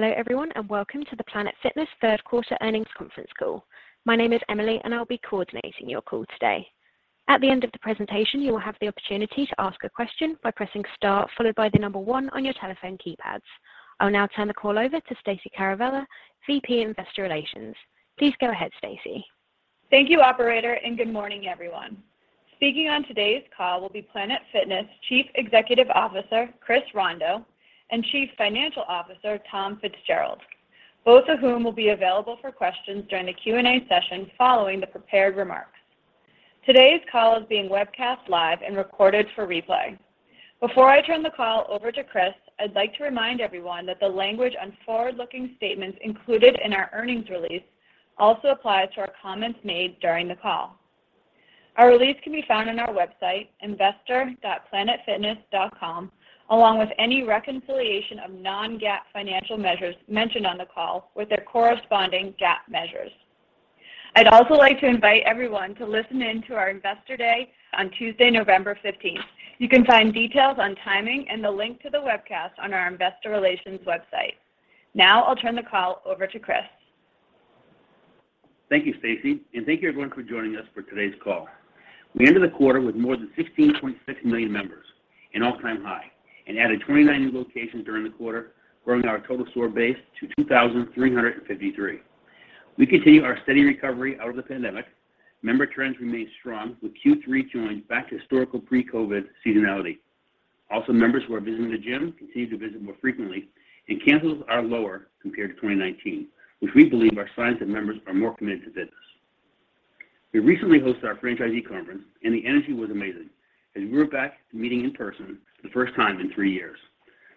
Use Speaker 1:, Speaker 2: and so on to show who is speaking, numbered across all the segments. Speaker 1: Hello everyone, and welcome to the Planet Fitness third quarter earnings conference call. My name is Emily, and I'll be coordinating your call today. At the end of the presentation, you will have the opportunity to ask a question by pressing star followed by the number one on your telephone keypads. I will now turn the call over to Stacey Caravella, VP Investor Relations. Please go ahead, Stacey.
Speaker 2: Thank you, operator, and good morning, everyone. Speaking on today's call will be Planet Fitness Chief Executive Officer, Chris Rondeau, and Chief Financial Officer, Tom Fitzgerald, both of whom will be available for questions during the Q&A session following the prepared remarks. Today's call is being webcast live and recorded for replay. Before I turn the call over to Chris, I'd like to remind everyone that the language on forward-looking statements included in our earnings release also applies to our comments made during the call. Our release can be found on our website, investor.planetfitness.com, along with any reconciliation of non-GAAP financial measures mentioned on the call with their corresponding GAAP measures. I'd also like to invite everyone to listen in to our Investor Day on Tuesday, November fifteenth. You can find details on timing and the link to the webcast on our investor relations website. Now I'll turn the call over to Chris.
Speaker 3: Thank you, Stacey. Thank you, everyone, for joining us for today's call. We ended the quarter with more than 16.6 million members, an all-time high, and added 29 new locations during the quarter, growing our total store base to 2,353. We continue our steady recovery out of the pandemic. Member trends remain strong with Q3 joins back to historical pre-COVID seasonality. Also, members who are visiting the gym continue to visit more frequently, and cancels are lower compared to 2019, which we believe are signs that members are more committed to fitness. We recently hosted our franchisee conference, and the energy was amazing as we were back to meeting in person for the first time in three years.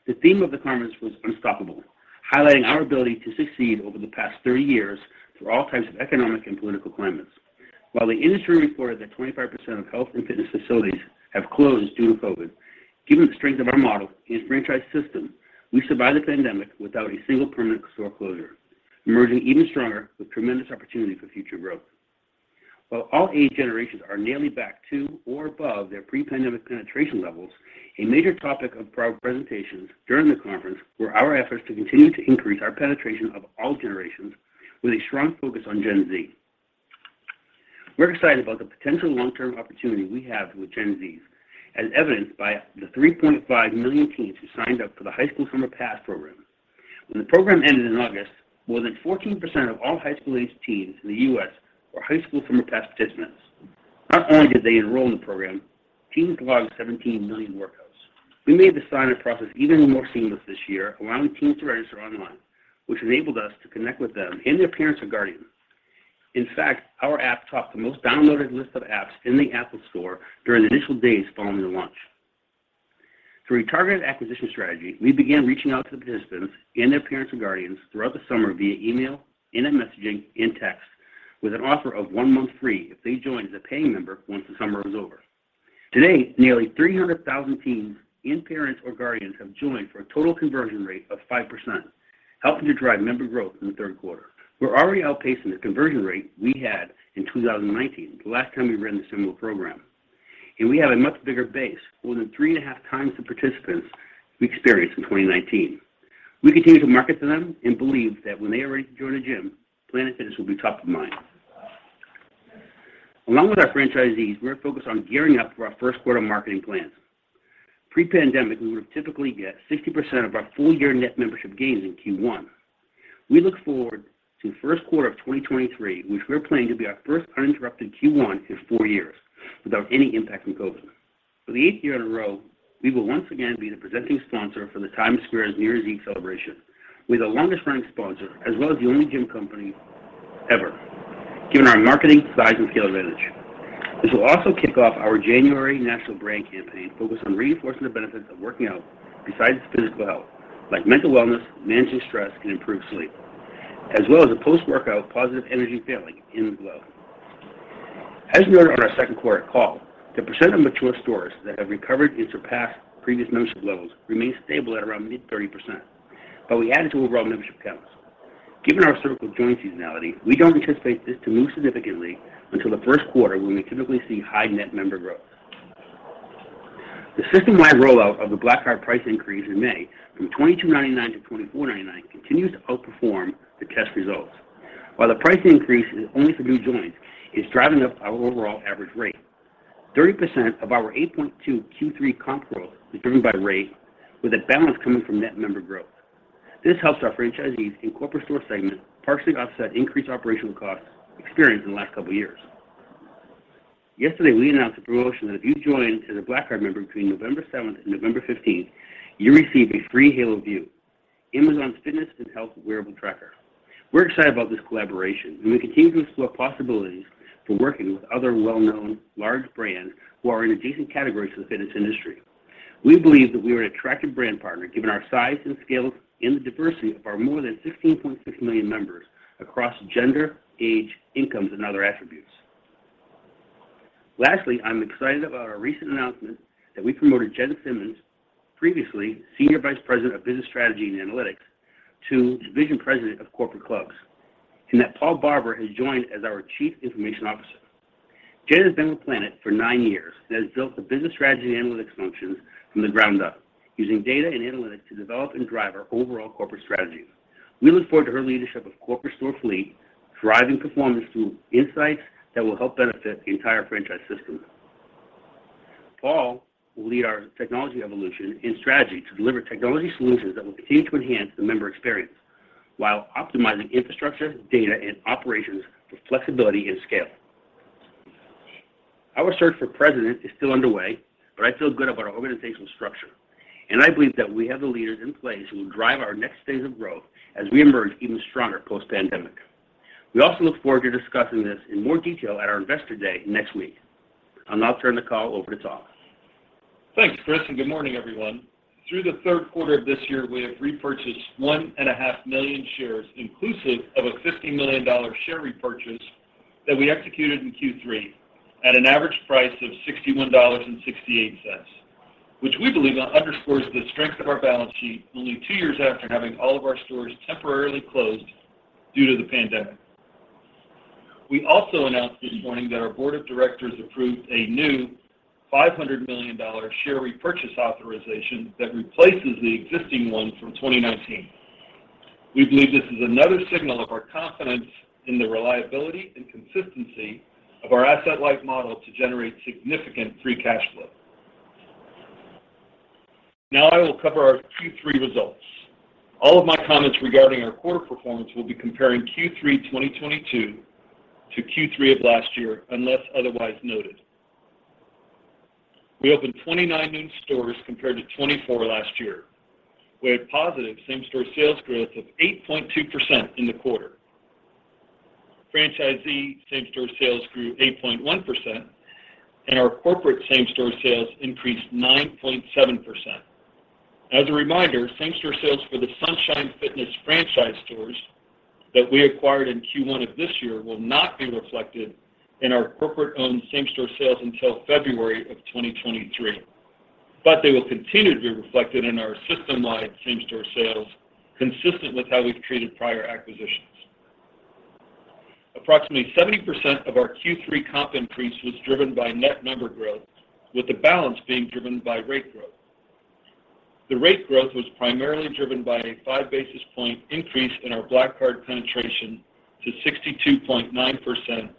Speaker 3: The theme of the conference was unstoppable, highlighting our ability to succeed over the past 30 years through all types of economic and political climates. While the industry reported that 25% of health and fitness facilities have closed due to COVID, given the strength of our model and franchise system, we survived the pandemic without a single permanent store closure, emerging even stronger with tremendous opportunity for future growth. While all eight generations are nearly back to or above their pre-pandemic penetration levels, a major topic of our presentations during the conference were our efforts to continue to increase our penetration of all generations with a strong focus on Gen Z. We're excited about the potential long-term opportunity we have with Gen Z, as evidenced by the 3.5 million teens who signed up for the High School Summer Pass program. When the program ended in August, more than 14% of all high school-aged teens in the U.S. were high school summer pass participants. Not only did they enroll in the program, teens logged 17 million workouts. We made the sign-up process even more seamless this year, allowing teens to register online, which enabled us to connect with them and their parents or guardians. In fact, our app topped the most downloaded list of apps in the App Store during the initial days following the launch. Through a targeted acquisition strategy, we began reaching out to the participants and their parents or guardians throughout the summer via email, in-app messaging, and text with an offer of one month free if they joined as a paying member once the summer was over. Today, nearly 300,000 teens and parents or guardians have joined for a total conversion rate of 5%, helping to drive member growth in the third quarter. We're already outpacing the conversion rate we had in 2019, the last time we ran the similar program. We have a much bigger base, more than 3.5 times the participants we experienced in 2019. We continue to market to them and believe that when they are ready to join a gym, Planet Fitness will be top of mind. Along with our franchisees, we're focused on gearing up for our first quarter marketing plans. Pre-pandemic, we would typically get 60% of our full-year net membership gains in Q1. We look forward to the first quarter of 2023, which we're planning to be our first uninterrupted Q1 in four years without any impact from COVID. For the eighth year in a row, we will once again be the presenting sponsor for the Times Square New Year's Eve celebration. We're the longest-running sponsor as well as the only gym company ever, given our marketing, size, and scale advantage. This will also kick off our January national brand campaign focused on reinforcing the benefits of working out besides physical health, like mental wellness, managing stress, and improved sleep, as well as a post-workout positive energy feeling and glow. As we noted on our second quarter call, the percent of mature stores that have recovered and surpassed previous membership levels remains stable at around mid-30%, but we added to overall membership counts. Given our cyclical joint seasonality, we don't anticipate this to move significantly until the first quarter when we typically see high net member growth. The system-wide rollout of the Black Card price increase in May from $22.99 to $24.99 continues to outperform the test results. While the price increase is only for new joins, it's driving up our overall average rate. 30% of our 8.2% Q3 comp growth is driven by rate, with the balance coming from net member growth. This helps our franchisees in corporate store segment partially offset increased operational costs experienced in the last couple of years. Yesterday, we announced a promotion that if you join as a Black Card member between November seventh and November fifteenth, you receive a free Halo View, Amazon's fitness and health wearable tracker. We're excited about this collaboration, and we continue to explore possibilities for working with other well-known large brands who are in adjacent categories to the fitness industry. We believe that we are an attractive brand partner given our size and scale and the diversity of our more than 16.6 million members across gender, age, incomes, and other attributes. Lastly, I'm excited about our recent announcement that we promoted Jenna Simmons, previously Senior Vice President of Business Strategy and Analytics, to Division President of Corporate Clubs, and that Paul Barber has joined as our Chief Information Officer. Jen has been with Planet for nine years and has built the business strategy and analytics functions from the ground up using data and analytics to develop and drive our overall corporate strategies. We look forward to her leadership of corporate store fleet, driving performance through insights that will help benefit the entire franchise system. Paul will lead our technology evolution and strategy to deliver technology solutions that will continue to enhance the member experience while optimizing infrastructure, data, and operations for flexibility and scale. Our search for president is still underway, but I feel good about our organizational structure. I believe that we have the leaders in place who will drive our next phase of growth as we emerge even stronger post-pandemic. We also look forward to discussing this in more detail at our Investor Day next week. I'll now turn the call over to Tom Fitzgerald.
Speaker 4: Thanks, Chris, and good morning, everyone. Through the third quarter of this year, we have repurchased 1.5 million shares inclusive of a $50 million share repurchase that we executed in Q3 at an average price of $61.68, which we believe underscores the strength of our balance sheet only two years after having all of our stores temporarily closed due to the pandemic. We also announced this morning that our board of directors approved a new $500 million share repurchase authorization that replaces the existing one from 2019. We believe this is another signal of our confidence in the reliability and consistency of our asset-light model to generate significant free cash flow. Now I will cover our Q3 results. All of my comments regarding our quarter performance will be comparing Q3 2022 to Q3 of last year, unless otherwise noted. We opened 29 new stores compared to 24 last year. We had positive same-store sales growth of 8.2% in the quarter. Franchisee same-store sales grew 8.1%, and our corporate same-store sales increased 9.7%. As a reminder, same-store sales for the Sunshine Fitness franchise stores that we acquired in Q1 of this year will not be reflected in our corporate-owned same-store sales until February of 2023. They will continue to be reflected in our system-wide same-store sales consistent with how we've treated prior acquisitions. Approximately 70% of our Q3 comp increase was driven by net member growth, with the balance being driven by rate growth. The rate growth was primarily driven by a 5 basis points increase in our Black Card penetration to 62.9%,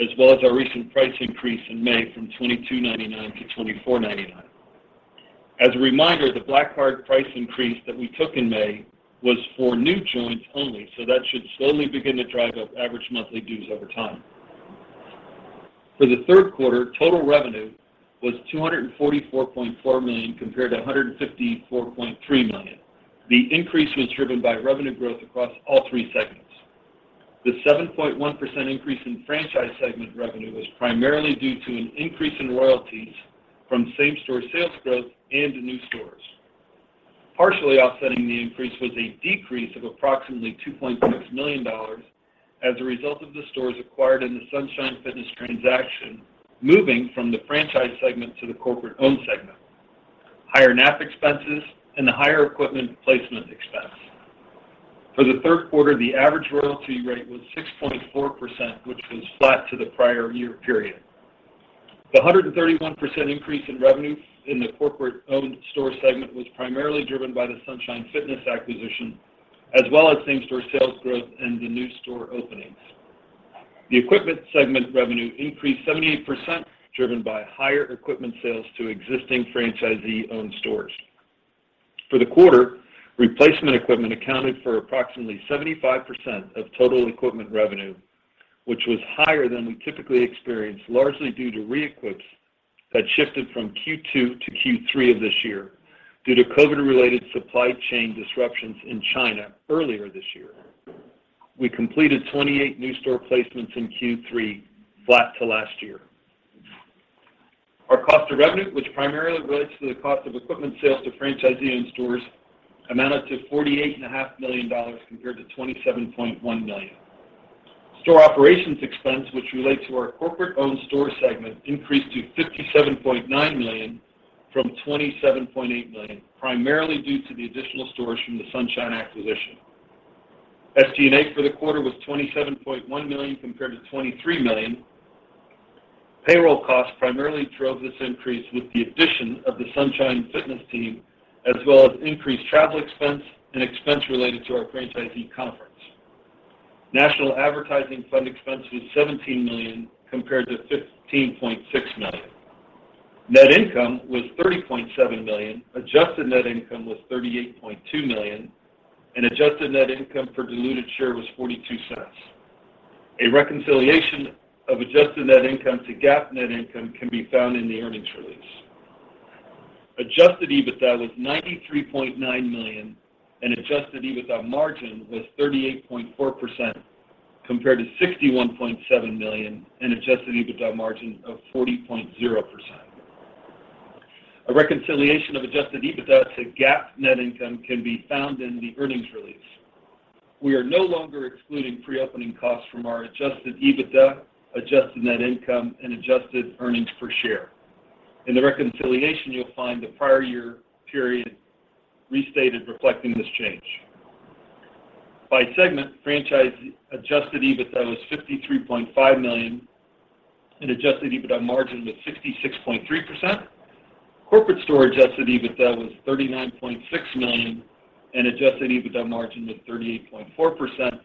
Speaker 4: as well as our recent price increase in May from $22.99 to $24.99. As a reminder, the Black Card price increase that we took in May was for new joins only, so that should slowly begin to drive up average monthly dues over time. For the third quarter, total revenue was $244.4 million compared to $154.3 million. The increase was driven by revenue growth across all three segments. The 7.1% increase in franchise segment revenue was primarily due to an increase in royalties from same-store sales growth and new stores. Partially offsetting the increase was a decrease of approximately $2.6 million as a result of the stores acquired in the Sunshine Fitness transaction moving from the franchise segment to the corporate-owned segment, higher NAF expenses, and the higher equipment placement expense. For the third quarter, the average royalty rate was 6.4%, which was flat to the prior year period. The 131% increase in revenue in the corporate-owned store segment was primarily driven by the Sunshine Fitness acquisition, as well as same-store sales growth and the new store openings. The equipment segment revenue increased 78%, driven by higher equipment sales to existing franchisee-owned stores. For the quarter, replacement equipment accounted for approximately 75% of total equipment revenue, which was higher than we typically experience, largely due to reequips that shifted from Q2 to Q3 of this year due to COVID-related supply chain disruptions in China earlier this year. We completed 28 new store placements in Q3, flat to last year. Our cost of revenue, which primarily relates to the cost of equipment sales to franchisee-owned stores, amounted to $48 and a half million compared to $27.1 million. Store operations expense, which relate to our corporate-owned store segment, increased to $57.9 million from $27.8 million, primarily due to the additional stores from the Sunshine Fitness acquisition. SG&A for the quarter was $27.1 million compared to $23 million. Payroll costs primarily drove this increase with the addition of the Sunshine Fitness team, as well as increased travel expense and expense related to our franchisee conference. National Advertising Fund expense was $17 million compared to $15.6 million. Net income was $30.7 million. Adjusted net income was $38.2 million, and adjusted net income per diluted share was $0.42. A reconciliation of adjusted net income to GAAP net income can be found in the earnings release. Adjusted EBITDA was $93.9 million, and adjusted EBITDA margin was 38.4% compared to $61.7 million and adjusted EBITDA margin of 40.0%. A reconciliation of adjusted EBITDA to GAAP net income can be found in the earnings release. We are no longer excluding pre-opening costs from our adjusted EBITDA, adjusted net income, and adjusted earnings per share. In the reconciliation, you'll find the prior year period restated reflecting this change. By segment, franchisee adjusted EBITDA was $53.5 million, and adjusted EBITDA margin was 66.3%. Corporate store adjusted EBITDA was $39.6 million and adjusted EBITDA margin was 38.4%.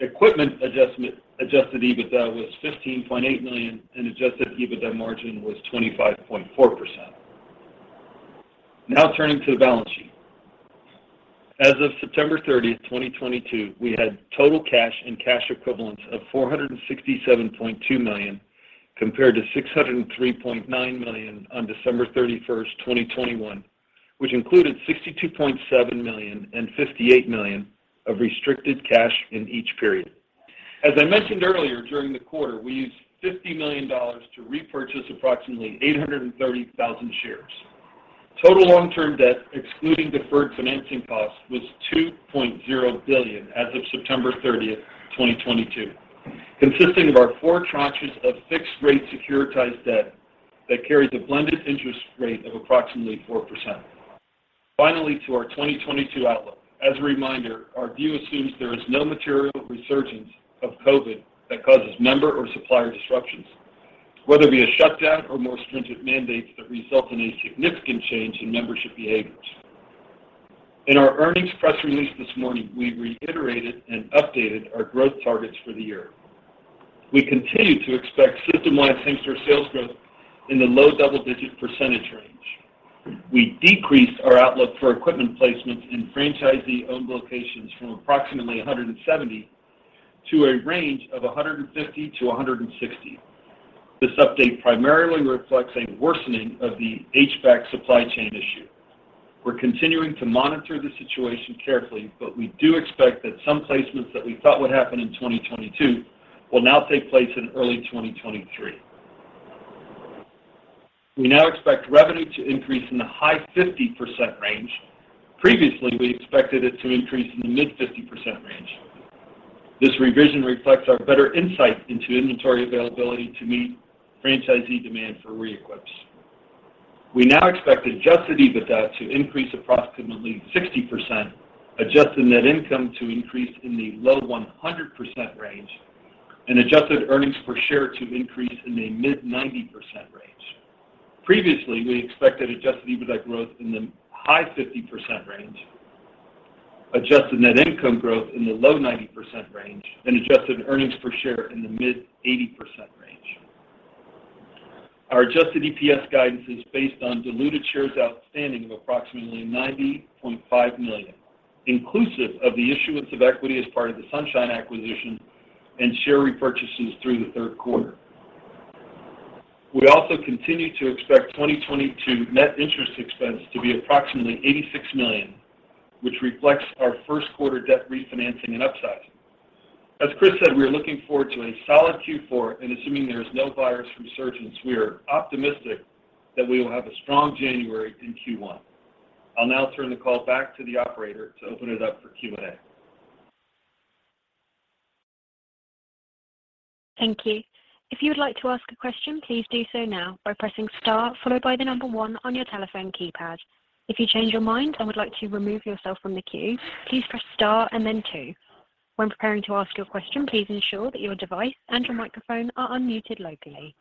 Speaker 4: Equipment adjusted EBITDA was $15.8 million and adjusted EBITDA margin was 25.4%. Now turning to the balance sheet. As of September 30, 2022, we had total cash and cash equivalents of $467.2 million compared to $603.9 million on December 31st, 2021, which included $62.7 million and $58 million of restricted cash in each period. As I mentioned earlier, during the quarter, we used $50 million to repurchase approximately 830,000 shares. Total long-term debt, excluding deferred financing costs, was $2.0 billion as of September 30, 2022, consisting of our four tranches of fixed rate securitized debt that carries a blended interest rate of approximately 4%. Finally, to our 2022 outlook. As a reminder, our view assumes there is no material resurgence of COVID that causes member or supplier disruptions, whether it be a shutdown or more stringent mandates that result in a significant change in membership behaviors. In our earnings press release this morning, we reiterated and updated our growth targets for the year. We continue to expect system-wide same-store sales growth in the low double-digit % range. We decreased our outlook for equipment placements in franchisee-owned locations from approximately 170 to a range of 150-160. This update primarily reflects a worsening of the HVAC supply chain issue. We're continuing to monitor the situation carefully, but we do expect that some placements that we thought would happen in 2022 will now take place in early 2023. We now expect revenue to increase in the high 50% range. Previously, we expected it to increase in the mid-50% range. This revision reflects our better insight into inventory availability to meet franchisee demand for re-equips. We now expect adjusted EBITDA to increase approximately 60%, adjusted net income to increase in the low 100% range, and adjusted earnings per share to increase in the mid-90% range. Previously, we expected adjusted EBITDA growth in the high 50% range, adjusted net income growth in the low 90% range, and adjusted earnings per share in the mid-80% range. Our adjusted EPS guidance is based on diluted shares outstanding of approximately 90.5 million, inclusive of the issuance of equity as part of the Sunshine acquisition and share repurchases through the third quarter. We also continue to expect 2022 net interest expense to be approximately $86 million, which reflects our first quarter debt refinancing and upsize. As Chris said, we are looking forward to a solid Q4, and assuming there is no virus resurgence, we are optimistic that we will have a strong January in Q1. I'll now turn the call back to the operator to open it up for Q&A.
Speaker 1: Thank you. If you would like to ask a question, please do so now by pressing star followed by the number one on your telephone keypad. If you change your mind and would like to remove yourself from the queue, please press star and then two. When preparing to ask your question, please ensure that your device and your microphone are unmuted locally.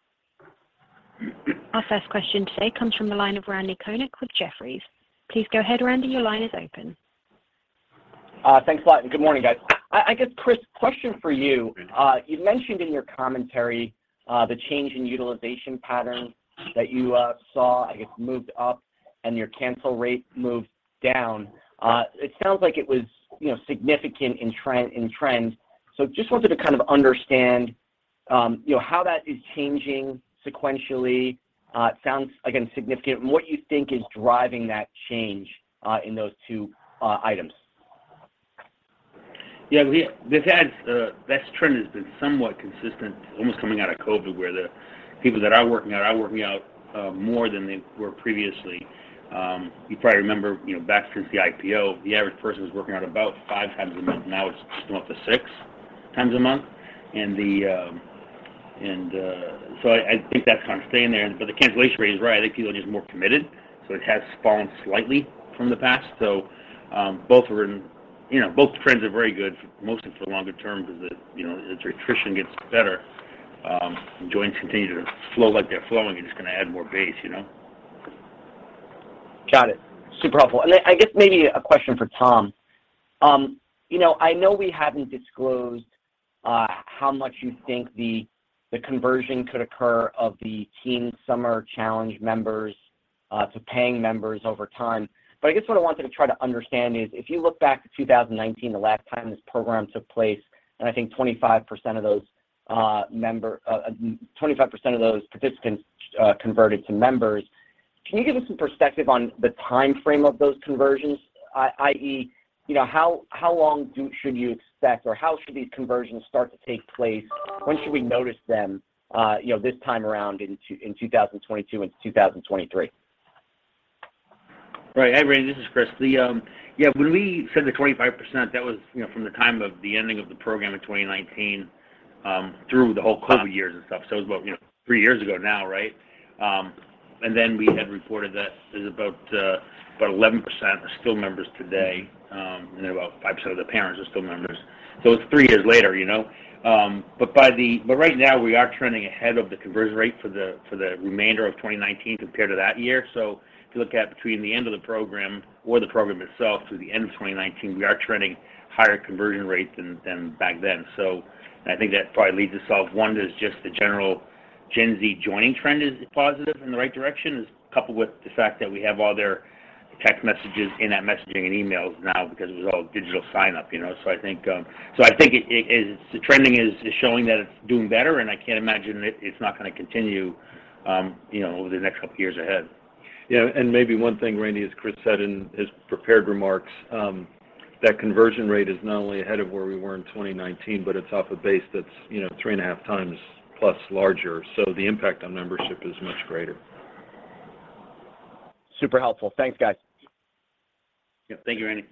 Speaker 1: Our first question today comes from the line of Randy Konik with Jefferies. Please go ahead, Randy. Your line is open.
Speaker 5: Thanks a lot, and good morning, guys. I guess, Chris, question for you.
Speaker 4: Mm-hmm.
Speaker 5: You mentioned in your commentary the change in utilization patterns that you saw, I guess, moved up and your cancel rate moved down. It sounds like it was, you know, significant in trend. Just wanted to kind of understand how that is changing sequentially. It sounds, again, significant. What you think is driving that change in those two items.
Speaker 3: Yeah. That trend has been somewhat consistent almost coming out of COVID, where the people that are working out are working out more than they were previously. You probably remember, you know, back since the IPO, the average person was working out about five times a month, now it's gone up to six times a month. So I think that's kind of staying there. The cancellation rate is right. I think people are just more committed, so it has fallen slightly from the past. Both are in, you know, both trends are very good mostly for the longer term because, you know, as your attrition gets better and joins continue to flow like they're flowing, you're just gonna add more base, you know?
Speaker 5: Got it. Super helpful. I guess maybe a question for Tom. I know we haven't disclosed how much you think the conversion could occur of the teen Summer Challenge members to paying members over time. I guess what I wanted to try to understand is, if you look back to 2019, the last time this program took place, and I think 25% of those participants converted to members, can you give us some perspective on the timeframe of those conversions? i.e., how long do should you expect, or how should these conversions start to take place? When should we notice them this time around in 2022 and 2023?
Speaker 3: Right. Hey, Randy, this is Chris. The, yeah, when we said the 25%, that was, you know, from the time of the ending of the program in 2019. Through the whole COVID years and stuff. It was about, you know, three years ago now, right? We had reported that there's about 11% are still members today, and about 5% of the parents are still members. It's three years later, you know. Right now, we are trending ahead of the conversion rate for the remainder of 2019 compared to that year. If you look at between the end of the program or the program itself through the end of 2019, we are trending higher conversion rates than back then. I think that probably leads us to so the one is just the general Gen Z joining trend is positive in the right direction, is coupled with the fact that we have all their text messages in that messaging and emails now because it was all digital sign up, you know. I think it is the trending is showing that it's doing better, and I can't imagine it's not gonna continue, you know, over the next couple of years ahead.
Speaker 4: Yeah. Maybe one thing, Randy, as Chris said in his prepared remarks, that conversion rate is not only ahead of where we were in 2019, but it's off a base that's, you know, 3.5x plus larger. The impact on membership is much greater.
Speaker 5: Super helpful. Thanks, guys.
Speaker 3: Yep. Thank you, Randy.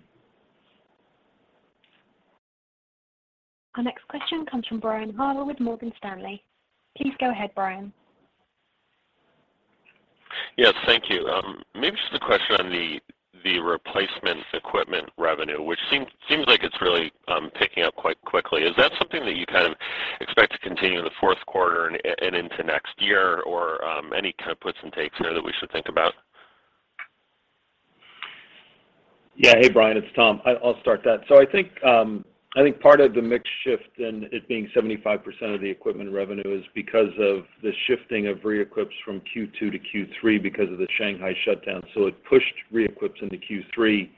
Speaker 1: Our next question comes from Brian Harbour with Morgan Stanley. Please go ahead, Brian.
Speaker 6: Yes. Thank you. Maybe just a question on the replacement equipment revenue, which seems like it's really picking up quite quickly. Is that something that you kind of expect to continue in the fourth quarter and into next year or any kind of puts and takes there that we should think about?
Speaker 4: Yeah. Hey, Brian Harbour, it's Tom Fitzgerald. I'll start that. I think part of the mix shift in it being 75% of the equipment revenue is because of the shifting of reequips from Q2 to Q3 because of the Shanghai shutdown. It pushed reequips into Q3,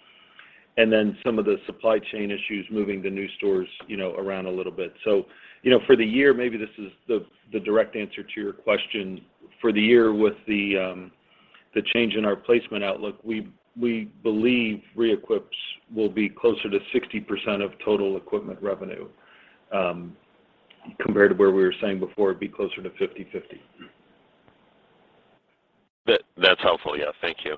Speaker 4: and then some of the supply chain issues moving the new stores, you know, around a little bit. You know, for the year, maybe this is the direct answer to your question. For the year with the change in our placement outlook, we believe reequips will be closer to 60% of total equipment revenue, compared to where we were saying before it'd be closer to 50/50.
Speaker 6: That's helpful. Yeah. Thank you.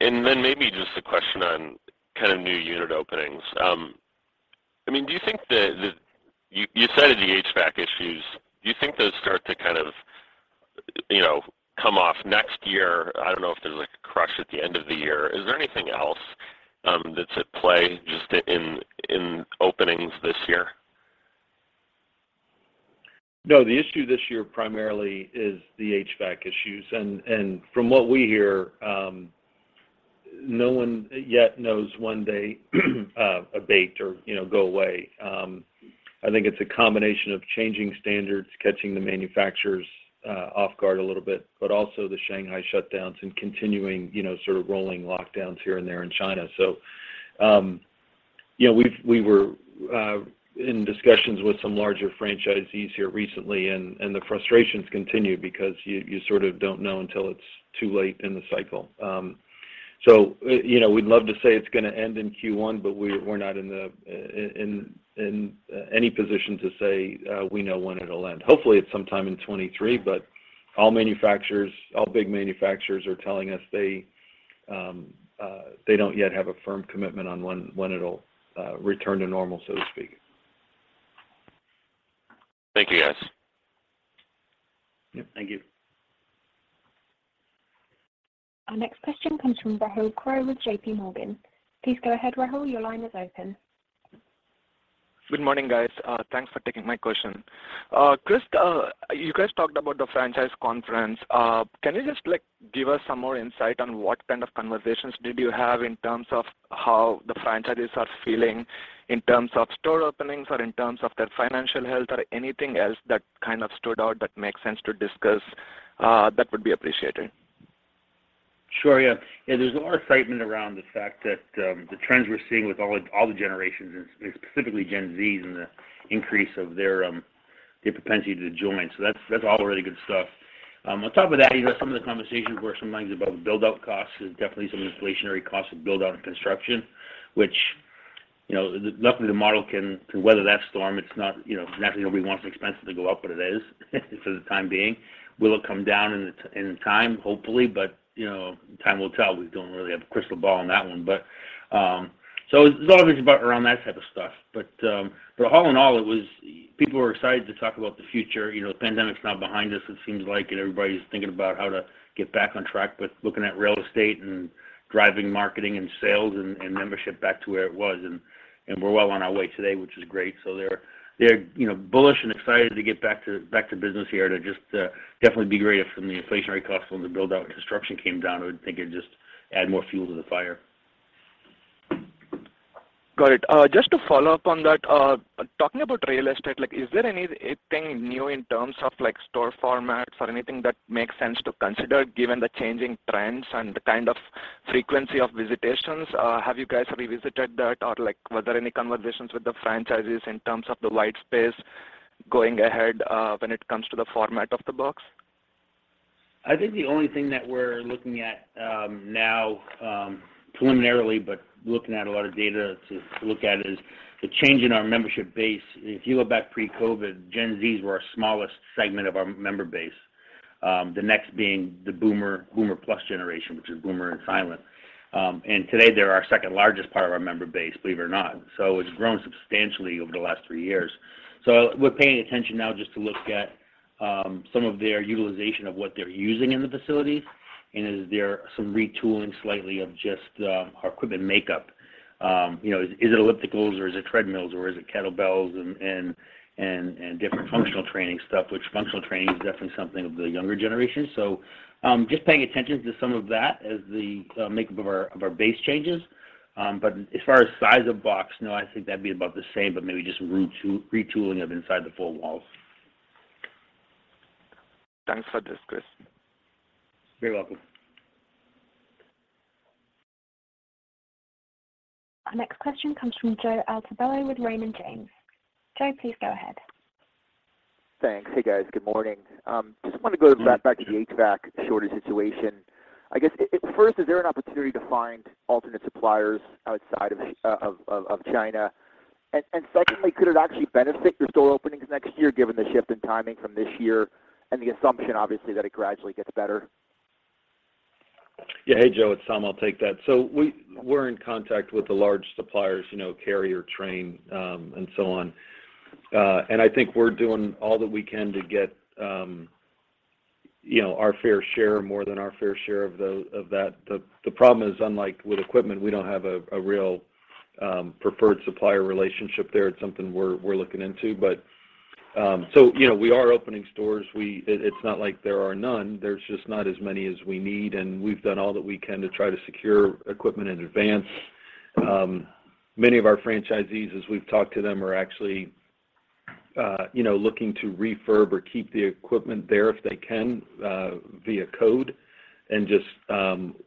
Speaker 6: Maybe just a question on kind of new unit openings. I mean, you cited the HVAC issues. Do you think those start to kind of, you know, come off next year? I don't know if there's, like, a rush at the end of the year. Is there anything else that's at play just in openings this year?
Speaker 4: No. The issue this year primarily is the HVAC issues. From what we hear, no one yet knows when they abate or, you know, go away. I think it's a combination of changing standards, catching the manufacturers off guard a little bit, but also the Shanghai shutdowns and continuing, you know, sort of rolling lockdowns here and there in China. You know, we were in discussions with some larger franchisees here recently, and the frustrations continue because you sort of don't know until it's too late in the cycle. You know, we'd love to say it's gonna end in Q1, but we're not in any position to say we know when it'll end. Hopefully, it's sometime in 2023, but all manufacturers, all big manufacturers are telling us they don't yet have a firm commitment on when it'll return to normal, so to speak.
Speaker 6: Thank you, guys.
Speaker 3: Yep. Thank you.
Speaker 1: Our next question comes from Rahul Krotthapalli with JPMorgan. Please go ahead, Rahul. Your line is open.
Speaker 7: Good morning, guys. Thanks for taking my question. Chris, you guys talked about the franchise conference. Can you just, like, give us some more insight on what kind of conversations did you have in terms of how the franchises are feeling in terms of store openings or in terms of their financial health or anything else that kind of stood out that makes sense to discuss, that would be appreciated.
Speaker 3: Sure. Yeah. There's a lot of excitement around the fact that the trends we're seeing with all the generations and specifically Gen Z and the increase of their propensity to join. That's all really good stuff. On top of that, you know, some of the conversations were sometimes about the build-out costs. There's definitely some inflationary costs of build-out and construction, which, you know, luckily, the model can weather that storm. It's not, you know, it's not like nobody wants an expense to go up, but it is for the time being. Will it come down in time? Hopefully. You know, time will tell. We don't really have a crystal ball on that one. It's a lot of things about around that type of stuff. All in all, it was. People were excited to talk about the future. You know, the pandemic's now behind us, it seems like, and everybody's thinking about how to get back on track with looking at real estate and driving marketing and sales and membership back to where it was. We're well on our way today, which is great. They're, you know, bullish and excited to get back to business here to just definitely be great if some of the inflationary costs on the build-out construction came down. I would think it'd just add more fuel to the fire.
Speaker 7: Got it. Just to follow up on that, talking about real estate, like, is there anything new in terms of, like, store formats or anything that makes sense to consider given the changing trends and the kind of frequency of visitations? Have you guys revisited that, or, like, were there any conversations with the franchises in terms of the white space going ahead, when it comes to the format of the box?
Speaker 3: I think the only thing that we're looking at now, preliminarily, but looking at a lot of data to look at is the change in our membership base. If you look back pre-COVID, Gen Zs were our smallest segment of our member base. The next being the boomer plus generation, which is boomer and silent. Today they're our second-largest part of our member base, believe it or not. It's grown substantially over the last three years. We're paying attention now just to look at some of their utilization of what they're using in the facility, and is there some retooling slightly of just our equipment makeup. You know, is it ellipticals or is it treadmills or is it kettlebells and different functional training stuff, which functional training is definitely something of the younger generation. Just paying attention to some of that as the makeup of our base changes. As far as size of box, no, I think that'd be about the same, but maybe just retooling inside the four walls.
Speaker 4: Thanks for this, Chris.
Speaker 3: You're welcome.
Speaker 1: Our next question comes from Joe Altobello with Raymond James. Joe, please go ahead.
Speaker 8: Thanks. Hey, guys. Good morning. Just wanna go back to the HVAC shortage situation. I guess, at first, is there an opportunity to find alternate suppliers outside of China? Secondly, could it actually benefit your store openings next year given the shift in timing from this year and the assumption obviously that it gradually gets better?
Speaker 4: Hey, Joe, it's Tom. I'll take that. We're in contact with the large suppliers, you know, Carrier, Trane, and so on. I think we're doing all that we can to get, you know, our fair share, more than our fair share of that. The problem is, unlike with equipment, we don't have a real preferred supplier relationship there. It's something we're looking into. You know, we are opening stores. It's not like there are none, there's just not as many as we need, and we've done all that we can to try to secure equipment in advance. Many of our franchisees, as we've talked to them, are actually, you know, looking to refurb or keep the equipment there if they can, via code and just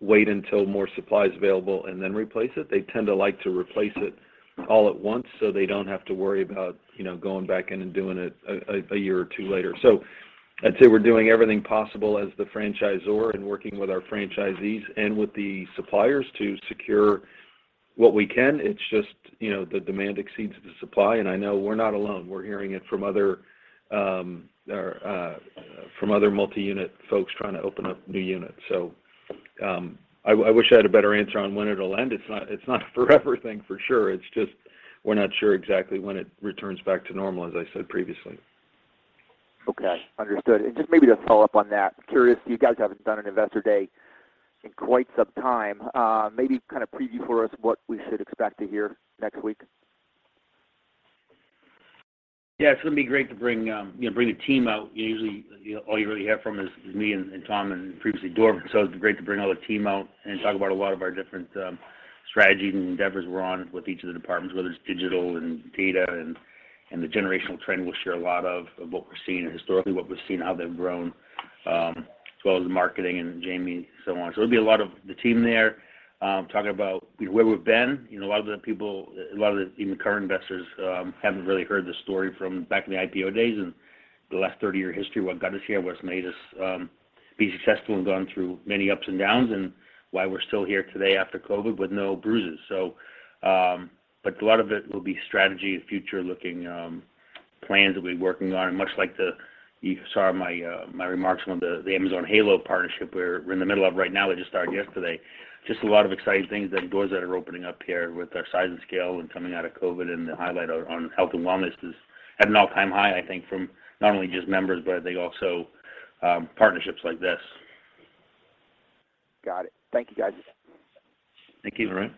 Speaker 4: wait until more supply is available and then replace it. They tend to like to replace it all at once, so they don't have to worry about, you know, going back in and doing it a year or two later. I'd say we're doing everything possible as the franchisor and working with our franchisees and with the suppliers to secure what we can. It's just, you know, the demand exceeds the supply, and I know we're not alone. We're hearing it from other multi-unit folks trying to open up new units. I wish I had a better answer on when it'll end. It's not a forever thing for sure. It's just we're not sure exactly when it returns back to normal, as I said previously.
Speaker 8: Okay. Understood. Just maybe to follow up on that, curious, you guys haven't done an investor day in quite some time. Maybe kind of preview for us what we should expect to hear next week.
Speaker 3: Yeah. It's gonna be great to bring you know, the team out. Usually, you know, all you really hear from is me and Tom, and previously Dorvin. It's great to bring all the team out and talk about a lot of our different strategies and endeavors we're on with each of the departments, whether it's digital and data and the generational trend. We'll share a lot of what we're seeing and historically what we've seen, how they've grown, as well as the marketing and Jamie and so on. It'll be a lot of the team there, talking about where we've been. You know, a lot of the people, a lot of the even current investors, haven't really heard the story from back in the IPO days and the last 30-year history, what got us here, what's made us be successful and gone through many ups and downs and why we're still here today after COVID with no bruises. A lot of it will be strategy and future-looking plans that we're working on, much like you saw my remarks on the Amazon Halo partnership. We're in the middle of right now. We just started yesterday. Just a lot of exciting things and doors that are opening up here with our size and scale and coming out of COVID, and the highlight on health and wellness is at an all-time high, I think, from not only just members, but they also partnerships like this.
Speaker 8: Got it. Thank you, guys.
Speaker 3: Thank you.
Speaker 4: All right.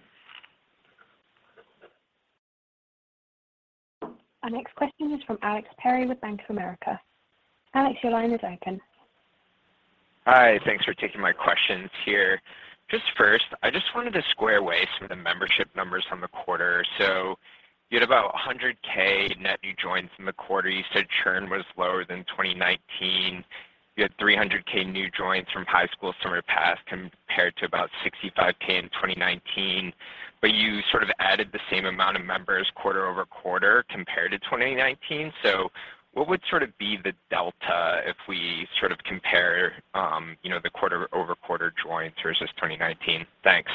Speaker 1: Our next question is from Alex Perry with Bank of America. Alex, your line is open.
Speaker 9: Hi. Thanks for taking my questions here. Just first, I just wanted to square away some of the membership numbers from the quarter. You had about 100K net new joins in the quarter. You said churn was lower than 2019. You had 300K new joins from high school summer pass compared to about 65K in 2019. You sort of added the same amount of members quarter-over-quarter compared to 2019. What would sort of be the delta if we sort of compare, you know, the quarter-over-quarter joins versus 2019? Thanks.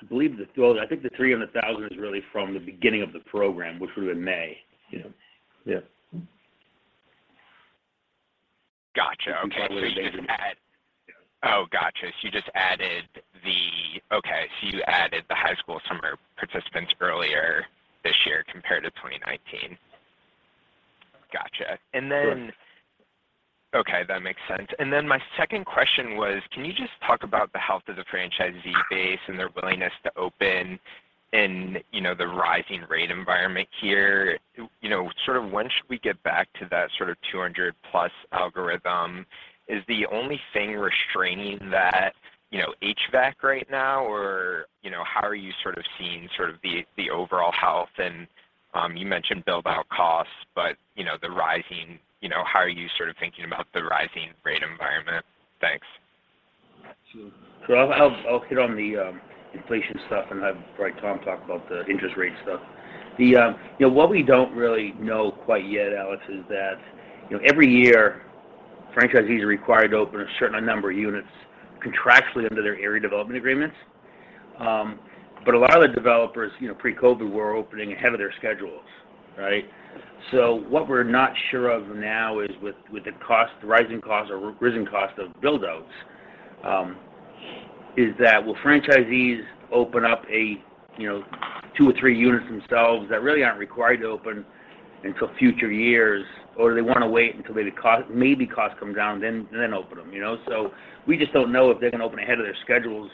Speaker 3: I believe, well, I think the 300,000 is really from the beginning of the program, which we're in May, you know?
Speaker 4: Yeah.
Speaker 9: Gotcha. Okay. You just add.
Speaker 3: Yeah.
Speaker 9: Oh, gotcha. You added the high school summer participants earlier this year compared to 2019. Gotcha. Then-
Speaker 3: Sure.
Speaker 9: Okay, that makes sense. My second question was, can you just talk about the health of the franchisee base and their willingness to open in, you know, the rising rate environment here? You know, sort of when should we get back to that sort of 200+ algorithm? Is the only thing restraining that, you know, HVAC right now, or, you know, how are you sort of seeing sort of the overall health? You mentioned build-out costs, but, you know, the rising, you know, how are you sort of thinking about the rising rate environment? Thanks.
Speaker 3: I'll hit on the inflation stuff and have probably Tom talk about the interest rate stuff. What we don't really know quite yet, Alex, is that you know every year franchisees are required to open a certain number of units contractually under their area development agreements. A lot of the developers you know pre-COVID were opening ahead of their schedules, right? What we're not sure of now is with the cost, the rising cost or risen cost of build-outs, is that will franchisees open up a you know two or three units themselves that really aren't required to open until future years? Or do they wanna wait until maybe costs come down, then open them, you know? We just don't know if they're gonna open ahead of their schedules,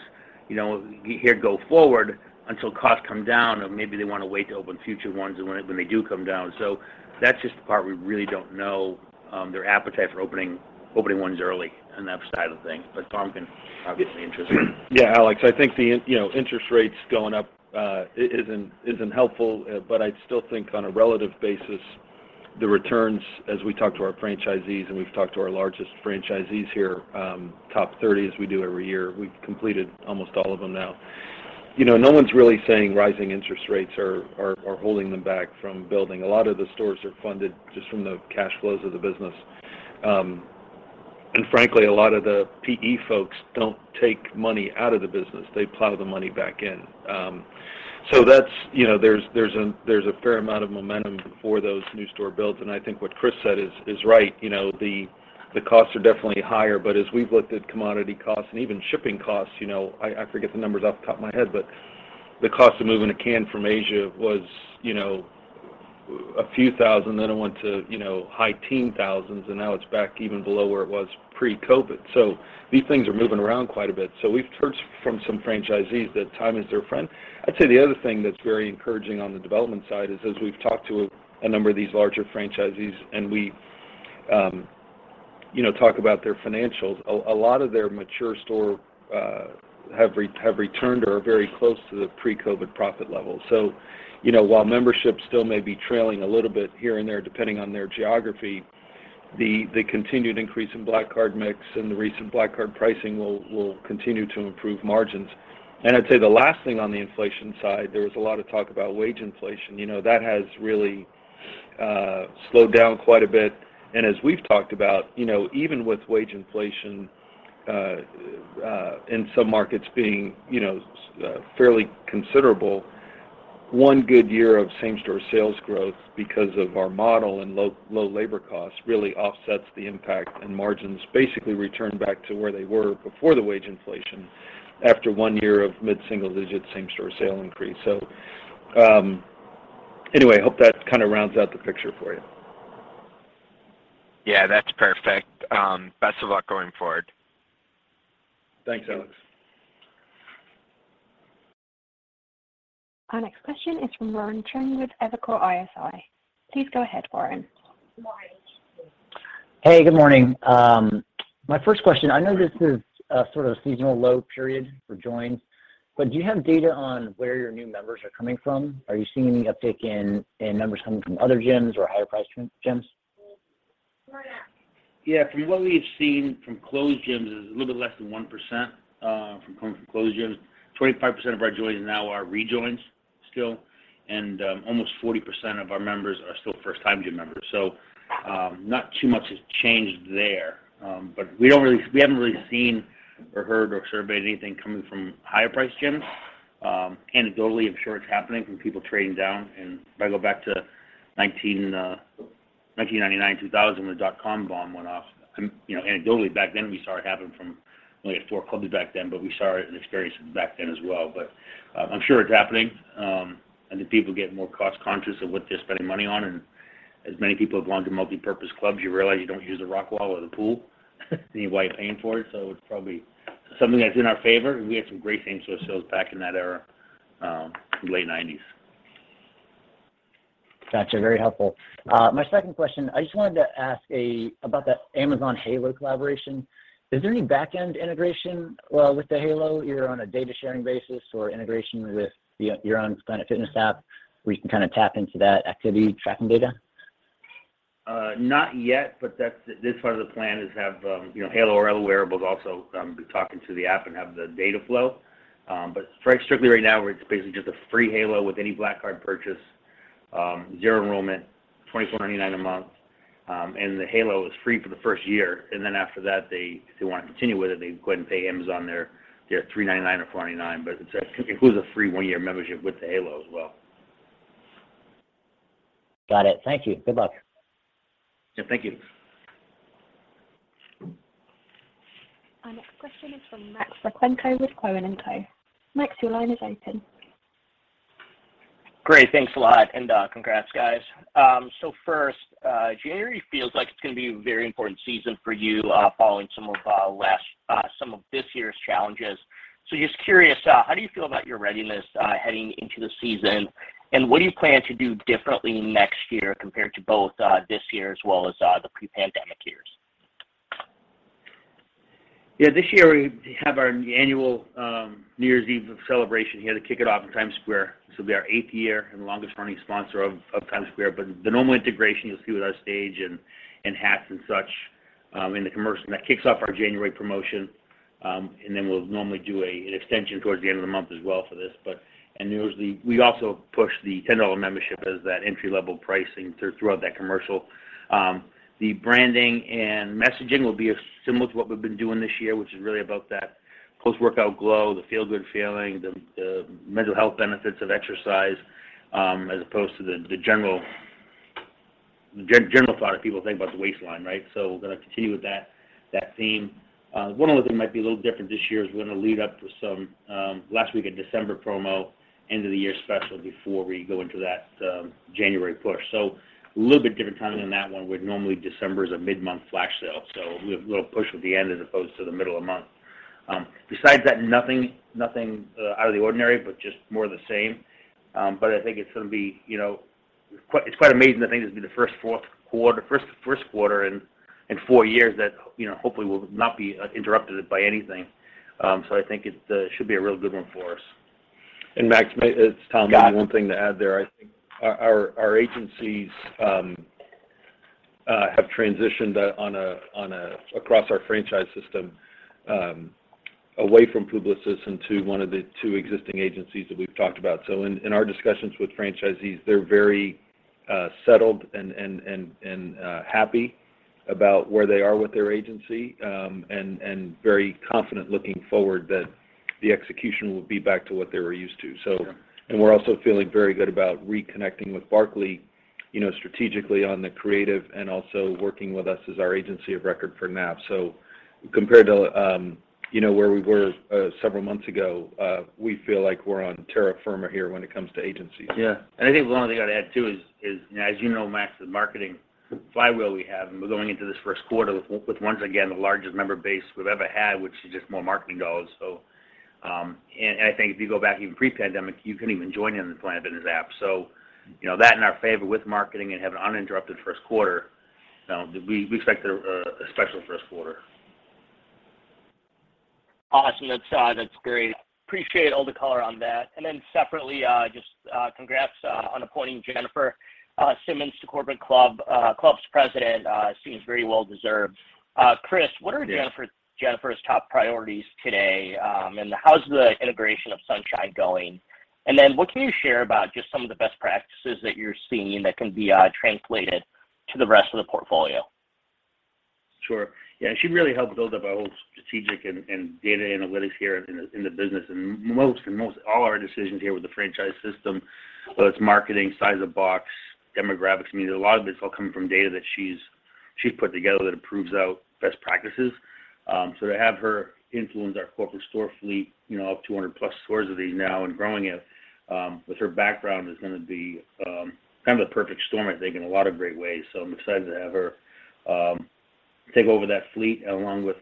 Speaker 3: you know, here going forward until costs come down, or maybe they wanna wait to open future ones when they do come down. That's just the part we really don't know, their appetite for opening ones early on that side of things. Tom can obviously address that.
Speaker 4: Yeah, Alex, I think you know, interest rates going up isn't helpful, but I still think on a relative basis, the returns as we talk to our franchisees, and we've talked to our largest franchisees here, top 30 as we do every year, we've completed almost all of them now. You know, no one's really saying rising interest rates are holding them back from building. A lot of the stores are funded just from the cash flows of the business. Frankly, a lot of the PE folks don't take money out of the business. They plow the money back in. That's, you know, there's a fair amount of momentum for those new store builds, and I think what Chris said is right. You know, the costs are definitely higher, but as we've looked at commodity costs and even shipping costs, you know, I forget the numbers off the top of my head, but the cost of moving a can from Asia was, you know, a few thousand, then it went to, you know, high teen thousands, and now it's back even below where it was pre-COVID. These things are moving around quite a bit. We've heard from some franchisees that time is their friend. I'd say the other thing that's very encouraging on the development side is, as we've talked to a number of these larger franchisees and we, you know, talk about their financials, a lot of their mature stores have returned or are very close to the pre-COVID profit level. You know, while membership still may be trailing a little bit here and there, depending on their geography, the continued increase in Black Card mix and the recent Black Card pricing will continue to improve margins. I'd say the last thing on the inflation side, there was a lot of talk about wage inflation. You know, that has really slowed down quite a bit. As we've talked about, you know, even with wage inflation in some markets being, you know, fairly considerable, one good year of same-store sales growth because of our model and low labor costs really offsets the impact, and margins basically return back to where they were before the wage inflation after one year of mid-single digit same-store sales increase. Anyway, hope that kind of rounds out the picture for you.
Speaker 9: Yeah, that's perfect. Best of luck going forward.
Speaker 4: Thanks, Alex.
Speaker 1: Our next question is from Warren Cheng with Evercore ISI. Please go ahead, Warren.
Speaker 10: Hey, good morning. My first question, I know this is a sort of seasonal low period for joins, but do you have data on where your new members are coming from? Are you seeing any uptick in members coming from other gyms or higher priced gyms?
Speaker 3: Yeah, from what we've seen from closed gyms is a little bit less than 1%, from coming from closed gyms. 25% of our joins now are rejoins still, and almost 40% of our members are still first-time gym members. Not too much has changed there. We haven't really seen or heard or surveyed anything coming from higher priced gyms. Anecdotally, I'm sure it's happening from people trading down. If I go back to 1999, 2000 when the dot-com bomb went off, you know, anecdotally back then we saw it happen. We only had four clubs back then, but we saw it and experienced it back then as well. I'm sure it's happening, and the people getting more cost conscious of what they're spending money on. As many people have gone to multipurpose clubs, you realize you don't use the rock wall or the pool, and why you're paying for it. It's probably something that's in our favor. We had some great same-store sales back in that era, the late nineties.
Speaker 10: Gotcha. Very helpful. My second question, I just wanted to ask about that Amazon Halo collaboration. Is there any back-end integration with the Halo, either on a data sharing basis or integration with your own Planet Fitness app, where you can kind of tap into that activity tracking data?
Speaker 3: Not yet, but that's this part of the plan is to have Halo or other wearables also be talking to the app and have the data flow, you know. But very strictly right now, it's basically just a free Halo with any Black Card purchase, $0 enrollment, $24.99 a month, and the Halo is free for the first year. Then after that, they if they wanna continue with it, they can go ahead and pay Amazon their $3.99 or $4.99. But it includes a free one-year membership with the Halo as well.
Speaker 10: Got it. Thank you. Good luck.
Speaker 3: Yeah, thank you.
Speaker 1: Our next question is from Maksim Rakhlenko with Cowen and Co. Max, your line is open.
Speaker 11: Great. Thanks a lot, and congrats, guys. First, January feels like it's gonna be a very important season for you, following some of this year's challenges. Just curious, how do you feel about your readiness, heading into the season, and what do you plan to do differently next year compared to both this year as well as the pre-pandemic years?
Speaker 3: Yeah. This year, we have our annual New Year's Eve celebration here to kick it off in Times Square. This will be our eighth year and longest running sponsor of Times Square. The normal integration you'll see with our stage and hats and such in the commercial, and that kicks off our January promotion. We'll normally do an extension towards the end of the month as well for this. Usually, we also push the $10 membership as that entry-level pricing throughout that commercial. The branding and messaging will be similar to what we've been doing this year, which is really about that post-workout glow, the feel-good feeling, the mental health benefits of exercise, as opposed to the general thought people think about the waistline, right? We're gonna continue with that theme. One other thing might be a little different this year is we're gonna lead up to some last week of December promo, end of the year special before we go into that January push. A little bit different timing on that one, where normally December is a mid-month flash sale, so we have a little push at the end as opposed to the middle of the month. Besides that, nothing out of the ordinary, but just more of the same. I think it's gonna be, you know, quite amazing to think this will be the first quarter in four years that, you know, hopefully will not be interrupted by anything. I think it should be a real good one for us.
Speaker 4: Maksim, it's Tom.
Speaker 3: Got it.
Speaker 4: One thing to add there. I think our agencies have transitioned across our franchise system away from Publicis into one of the two existing agencies that we've talked about. In our discussions with franchisees, they're very settled and happy about where they are with their agency and very confident looking forward that the execution will be back to what they were used to, so.
Speaker 3: Sure.
Speaker 4: We're also feeling very good about reconnecting with Barkley, you know, strategically on the creative and also working with us as our agency of record for NAF. Compared to, you know, where we were, several months ago, we feel like we're on terra firma here when it comes to agencies.
Speaker 3: Yeah. I think one other thing I'd add too is, you know, as you know, Max, the marketing flywheel we have, and we're going into this first quarter with once again, the largest member base we've ever had, which is just more marketing dollars. I think if you go back even pre-pandemic, you couldn't even join in the Planet Fitness app. You know, that's in our favor with marketing and having an uninterrupted first quarter. We expect a special first quarter.
Speaker 11: Awesome. That's great. Appreciate all the color on that. Then separately, just congrats on appointing Jennifer Simmons to Corporate Clubs President. Seems very well deserved. Chris-
Speaker 3: Yeah
Speaker 11: What are Jennifer's top priorities today, and how's the integration of Sunshine Fitness going? What can you share about just some of the best practices that you're seeing that can be translated to the rest of the portfolio?
Speaker 3: Sure. Yeah, she really helped build up our whole strategic and data analytics here in the business. Most all our decisions here with the franchise system, whether it's marketing, size of box, demographics, I mean, a lot of it's all coming from data that she's put together that proves out best practices. To have her influence our corporate store fleet, you know, of 200-plus stores I think now and growing it with her background is gonna be kind of the perfect storm, I think, in a lot of great ways. I'm excited to have her take over that fleet along with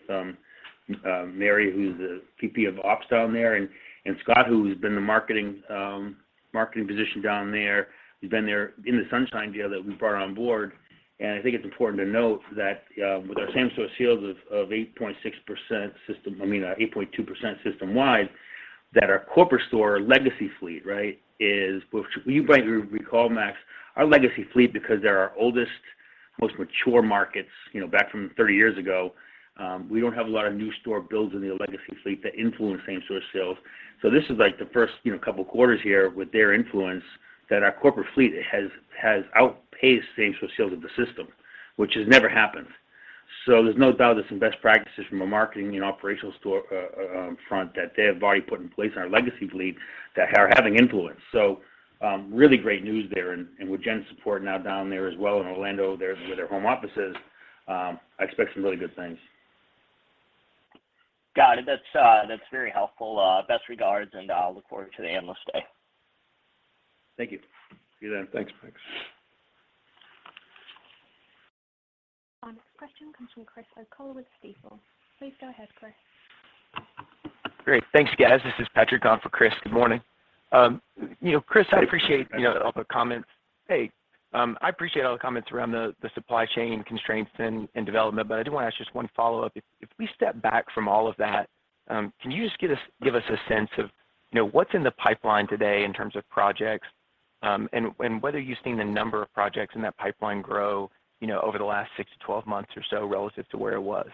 Speaker 3: Mary, who's the VP of Ops down there, and Scott, who's been the marketing position down there. He's been there in the Sunshine Fitness deal that we brought on board. I think it's important to note that, with our same-store sales of 8.6% system, I mean, 8.2% system-wide, that our corporate store legacy fleet, right, is, which you might recall, Max, our legacy fleet, because they're our oldest, most mature markets, you know, back from 30 years ago, we don't have a lot of new store builds in the legacy fleet that influence same-store sales. This is like the first, you know, couple quarters here with their influence that our corporate fleet has outpaced same-store sales of the system, which has never happened. There's no doubt there's some best practices from a marketing and operational storefront that they have already put in place in our legacy fleet that are having influence. Really great news there. With Jen's support now down there as well in Orlando, there, where their home office is, I expect some really good things.
Speaker 11: Got it. That's very helpful. Best regards, I'll look forward to the Analyst Day.
Speaker 3: Thank you.
Speaker 4: See you then. Thanks, Max.
Speaker 1: Our next question comes from Chris O'Cull with Stifel. Please go ahead, Chris.
Speaker 12: Great. Thanks, guys. This is Patrick on for Chris. Good morning. You know, Chris, I appreciate all the comments. Hey, I appreciate all the comments around the supply chain constraints and development, but I did wanna ask just one follow-up. If we step back from all of that, can you just give us a sense of what's in the pipeline today in terms of projects, and whether you've seen the number of projects in that pipeline grow, you know, over the last six to 12 months or so relative to where it was?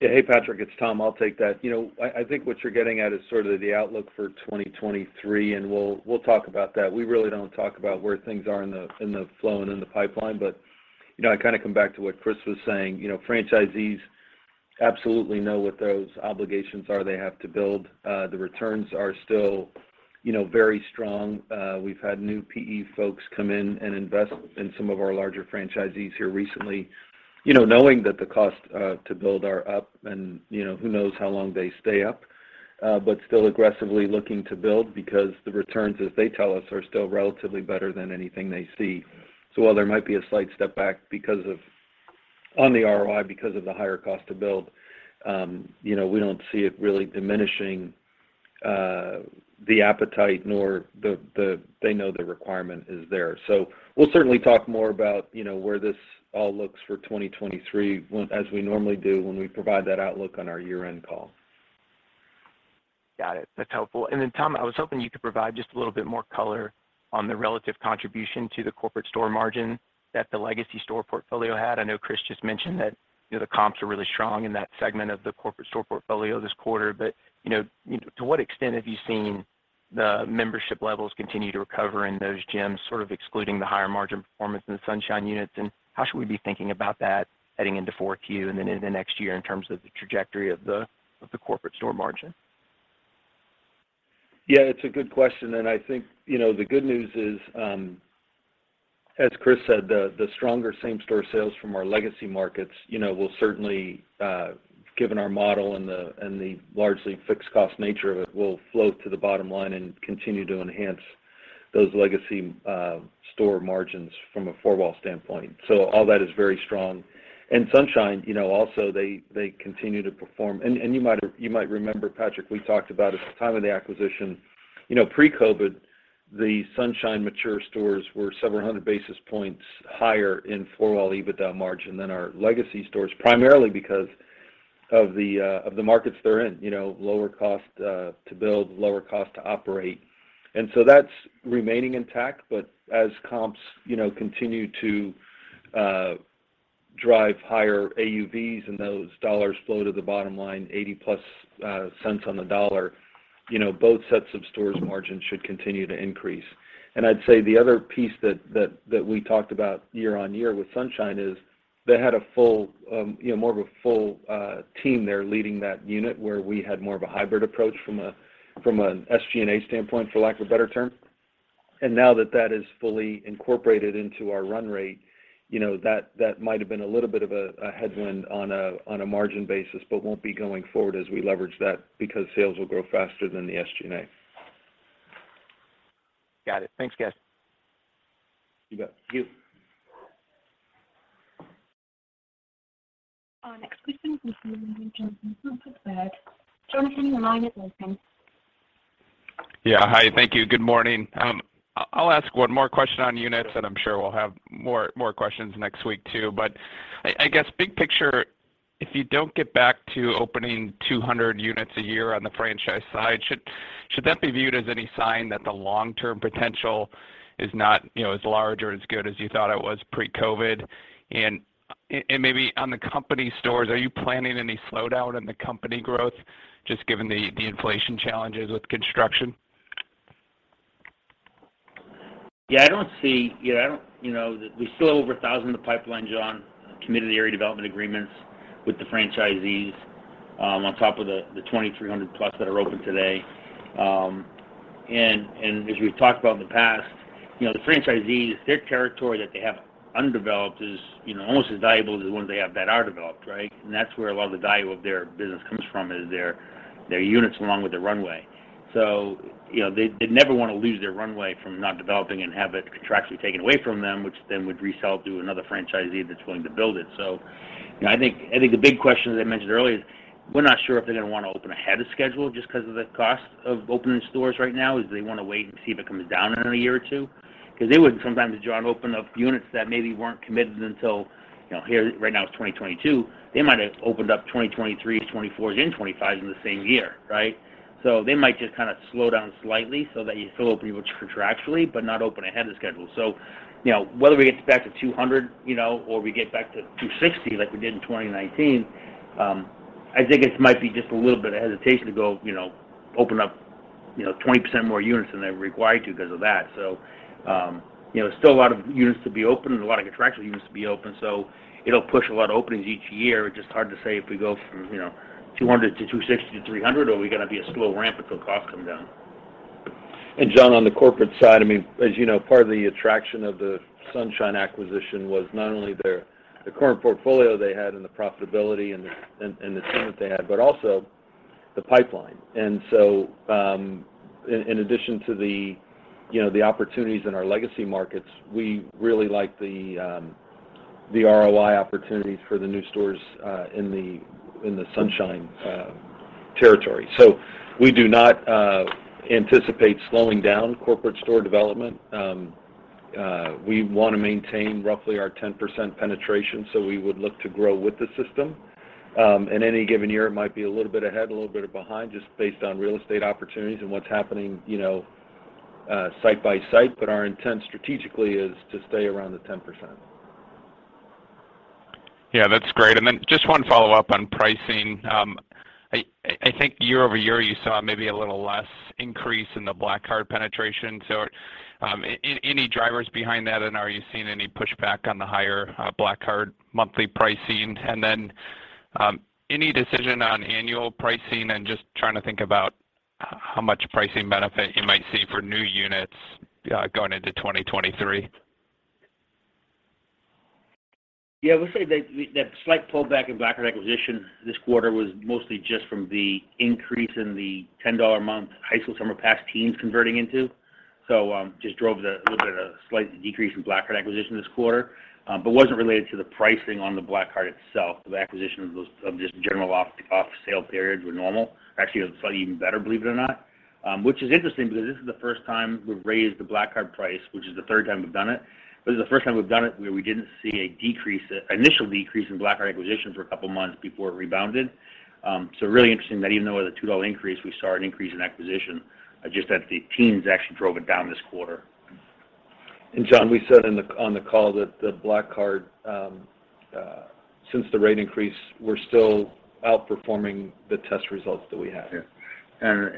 Speaker 4: Yeah. Hey, Patrick, it's Tom. I'll take that. You know, I think what you're getting at is sort of the outlook for 2023, and we'll talk about that. We really don't talk about where things are in the flow and in the pipeline, but you know, I kind of come back to what Chris was saying. You know, franchisees absolutely know what those obligations are they have to build. The returns are still, you know, very strong. We've had new PE folks come in and invest in some of our larger franchisees here recently, you know, knowing that the cost to build are up and, you know, who knows how long they stay up, but still aggressively looking to build because the returns, as they tell us, are still relatively better than anything they see. While there might be a slight step back because of, on the ROI, because of the higher cost to build, you know, we don't see it really diminishing the appetite nor the requirement is there. We'll certainly talk more about, you know, where this all looks for 2023 when, as we normally do, when we provide that outlook on our year-end call.
Speaker 12: Got it. That's helpful. Tom, I was hoping you could provide just a little bit more color on the relative contribution to the corporate store margin that the legacy store portfolio had. I know Chris just mentioned that, you know, the comps are really strong in that segment of the corporate store portfolio this quarter. You know, to what extent have you seen the membership levels continue to recover in those gyms, sort of excluding the higher margin performance in the Sunshine units, and how should we be thinking about that heading into fourth Q and then into next year in terms of the trajectory of the corporate store margin?
Speaker 4: Yeah, it's a good question, and I think, you know, the good news is, as Chris said, the stronger same-store sales from our legacy markets, you know, will certainly, given our model and the largely fixed cost nature of it, will flow to the bottom line and continue to enhance those legacy store margins from a four-wall standpoint. All that is very strong. Sunshine Fitness, you know, also they continue to perform. You might remember, Patrick, we talked about at the time of the acquisition, you know, pre-COVID, the Sunshine Fitness mature stores were several hundred basis points higher in four-wall EBITDA margin than our legacy stores, primarily because of the markets they're in. You know, lower cost to build, lower cost to operate. That's remaining intact, but as comps, you know, continue to drive higher AUVs and those dollars flow to the bottom line, 80+ cents on the dollar, you know, both sets of stores margins should continue to increase. I'd say the other piece that we talked about year-over-year with Sunshine is they had a full, you know, more of a full team there leading that unit, where we had more of a hybrid approach from an SG&A standpoint, for lack of a better term. Now that that is fully incorporated into our run rate, you know, that might have been a little bit of a headwind on a margin basis, but won't be going forward as we leverage that because sales will grow faster than the SG&A.
Speaker 13: Got it. Thanks, guys.
Speaker 4: You bet. Thank you.
Speaker 1: Our next question is from Jonathan from Piper Sandler. Jonathan, your line is open.
Speaker 14: Yeah. Hi. Thank you. Good morning. I'll ask one more question on units, and I'm sure we'll have more questions next week too. I guess big picture, if you don't get back to opening 200 units a year on the franchise side, should that be viewed as any sign that the long-term potential is not, you know, as large or as good as you thought it was pre-COVID? Maybe on the company stores, are you planning any slowdown in the company growth just given the inflation challenges with construction?
Speaker 3: We still have over 1,000 in the pipeline, John, committed area development agreements with the franchisees on top of the 2,300+ that are open today. As we've talked about in the past, you know, the franchisees, their territory that they have undeveloped is, you know, almost as valuable as the ones they have that are developed, right? That's where a lot of the value of their business comes from, is their units along with their runway. You know, they never wanna lose their runway from not developing and have it contractually taken away from them, which then would resell to another franchisee that's willing to build it. You know, I think the big question, as I mentioned earlier, is we're not sure if they're gonna wanna open ahead of schedule just 'cause of the cost of opening stores right now. Do they wanna wait and see if it comes down in a year or two? 'Cause they would sometimes, John, open up units that maybe weren't committed until, you know, here right now it's 2022. They might have opened up 2023s, 2024s and 2025s in the same year, right? So they might just kind of slow down slightly so that you still open contractually but not open ahead of schedule. You know, whether we get back to 200, you know, or we get back to 260 like we did in 2019, I think it might be just a little bit of hesitation to go, you know, open up, you know, 20% more units than they're required to because of that. You know, there's still a lot of units to be opened and a lot of contractual units to be opened, so it'll push a lot of openings each year. Just hard to say if we go from, you know, 200 to 260 to 300, or are we gonna be a slow ramp until costs come down.
Speaker 4: John, on the corporate side, I mean, as you know, part of the attraction of the Sunshine acquisition was not only their current portfolio they had and the profitability and the team that they had, but also the pipeline. In addition to the, you know, opportunities in our legacy markets, we really like the ROI opportunities for the new stores in the Sunshine territory. We do not anticipate slowing down corporate store development. We wanna maintain roughly our 10% penetration, so we would look to grow with the system. In any given year, it might be a little bit ahead, a little bit behind, just based on real estate opportunities and what's happening, you know, site by site, but our intent strategically is to stay around the 10%.
Speaker 14: Yeah, that's great. Just one follow-up on pricing. I think year over year, you saw maybe a little less increase in the Black Card penetration. Any drivers behind that, and are you seeing any pushback on the higher Black Card monthly pricing? Any decision on annual pricing, and just trying to think about how much pricing benefit you might see for new units going into 2023.
Speaker 3: Yeah. I would say that slight pullback in Black Card acquisition this quarter was mostly just from the increase in the $10 a month high school summer pass teens converting into. Just drove a little bit of a slight decrease in Black Card acquisition this quarter, but wasn't related to the pricing on the Black Card itself. The acquisition of those of just general off-sale periods were normal. Actually, it was slightly even better, believe it or not. Which is interesting because this is the first time we've raised the Black Card price, which is the third time we've done it. This is the first time we've done it where we didn't see a decrease, initial decrease in Black Card acquisition for a couple months before it rebounded. Really interesting that even though with a $2 increase, we saw an increase in acquisition, just that the teens actually drove it down this quarter.
Speaker 4: Jon, we said on the call that the Black Card, since the rate increase, we're still outperforming the test results that we had.
Speaker 3: Yeah.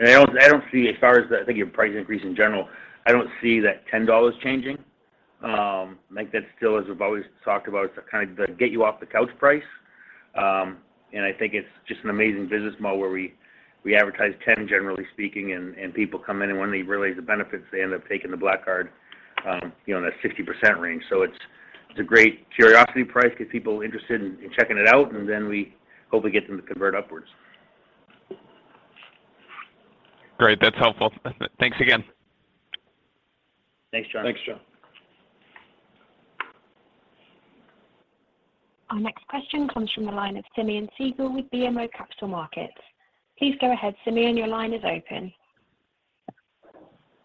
Speaker 3: I don't see as far as the thinking of price increase in general, I don't see that $10 changing. I think that still, as we've always talked about, it's a kind of the get you off the couch price. I think it's just an amazing business model where we advertise $10, generally speaking, and people come in, and when they realize the benefits, they end up taking the Black Card, you know, in a 60% range. It's a great curiosity price, gets people interested in checking it out, and then we hopefully get them to convert upwards.
Speaker 14: Great. That's helpful. Thanks again.
Speaker 3: Thanks, Jon.
Speaker 4: Thanks, Jon.
Speaker 1: Our next question comes from the line of Simeon Siegel with BMO Capital Markets. Please go ahead, Simeon, your line is open.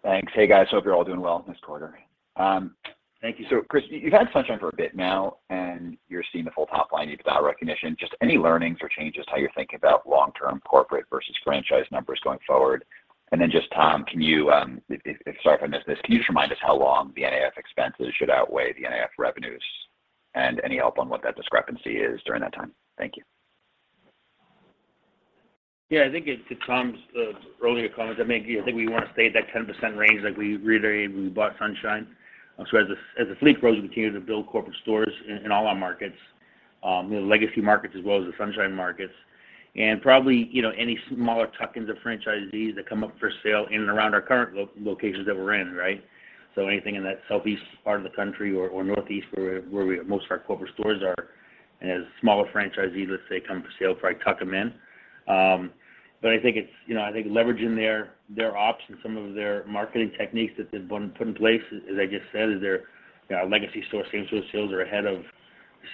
Speaker 15: Thanks. Hey, guys. Hope you're all doing well this quarter. Thank you. Chris, you've had Sunshine Fitness for a bit now, and you're seeing the full top line without recognition. Just any learnings or changes to how you're thinking about long-term corporate versus franchise numbers going forward? Just Tom, can you, I'm sorry for missing this. Can you just remind us how long the NAF expenses should outweigh the NAF revenues? Any help on what that discrepancy is during that time? Thank you.
Speaker 3: Yeah, I think to Tom's earlier comment, I think we want to stay at that 10% range like we reiterated when we bought Sunshine. So as the fleet grows, we continue to build corporate stores in all our markets, the legacy markets as well as the Sunshine markets. Probably, you know, any smaller tuck-ins of franchisees that come up for sale in and around our current locations that we're in, right? So anything in that southeast part of the country or northeast where most of our corporate stores are. As smaller franchisees, let's say, come up for sale, probably tuck them in. I think it's, you know, I think leveraging their ops and some of their marketing techniques that they've put in place, as I just said, is their legacy store same-store sales are ahead of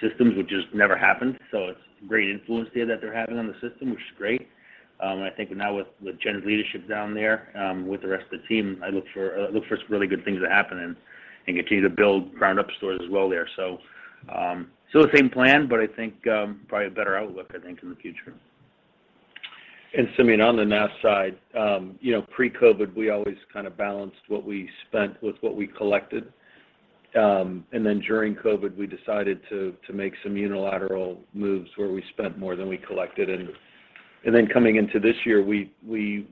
Speaker 3: systems, which has never happened. It's great influence there that they're having on the system, which is great. I think now with Jen's leadership down there, with the rest of the team, I look for some really good things to happen and continue to build ground up stores as well there. Still the same plan, but I think probably a better outlook, I think, in the future.
Speaker 4: Simeon, on the NAF side, you know, pre-COVID, we always kind of balanced what we spent with what we collected. During COVID, we decided to make some unilateral moves where we spent more than we collected. Coming into this year, we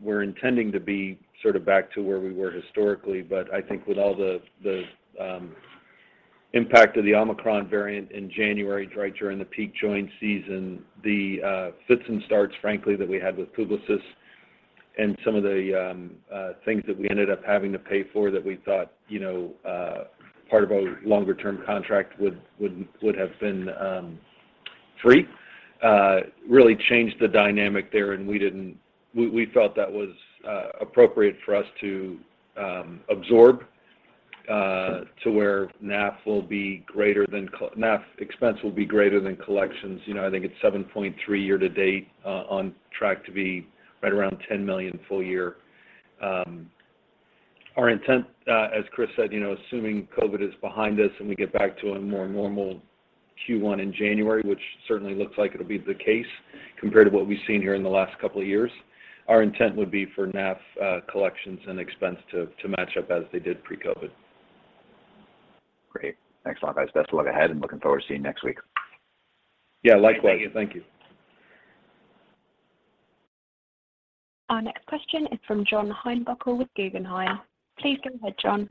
Speaker 4: were intending to be sort of back to where we were historically. I think with all the impact of the Omicron variant in January, right during the peak join season, the fits and starts, frankly, that we had with Publicis and some of the things that we ended up having to pay for that we thought, you know, part of a longer term contract would have been free really changed the dynamic there. We felt that was appropriate for us to absorb to where NAF expense will be greater than collections. You know, I think it's $7.3 million year to date, on track to be right around $10 million full year. Our intent, as Chris said, you know, assuming COVID is behind us and we get back to a more normal Q1 in January, which certainly looks like it'll be the case compared to what we've seen here in the last couple of years, our intent would be for NAF collections and expense to match up as they did pre-COVID.
Speaker 15: Great. Thanks a lot, guys. Best of luck ahead, and looking forward to seeing you next week.
Speaker 4: Yeah, likewise.
Speaker 3: Thank you. Thank you.
Speaker 1: Our next question is from John Heinbockel with Guggenheim. Please go ahead, John.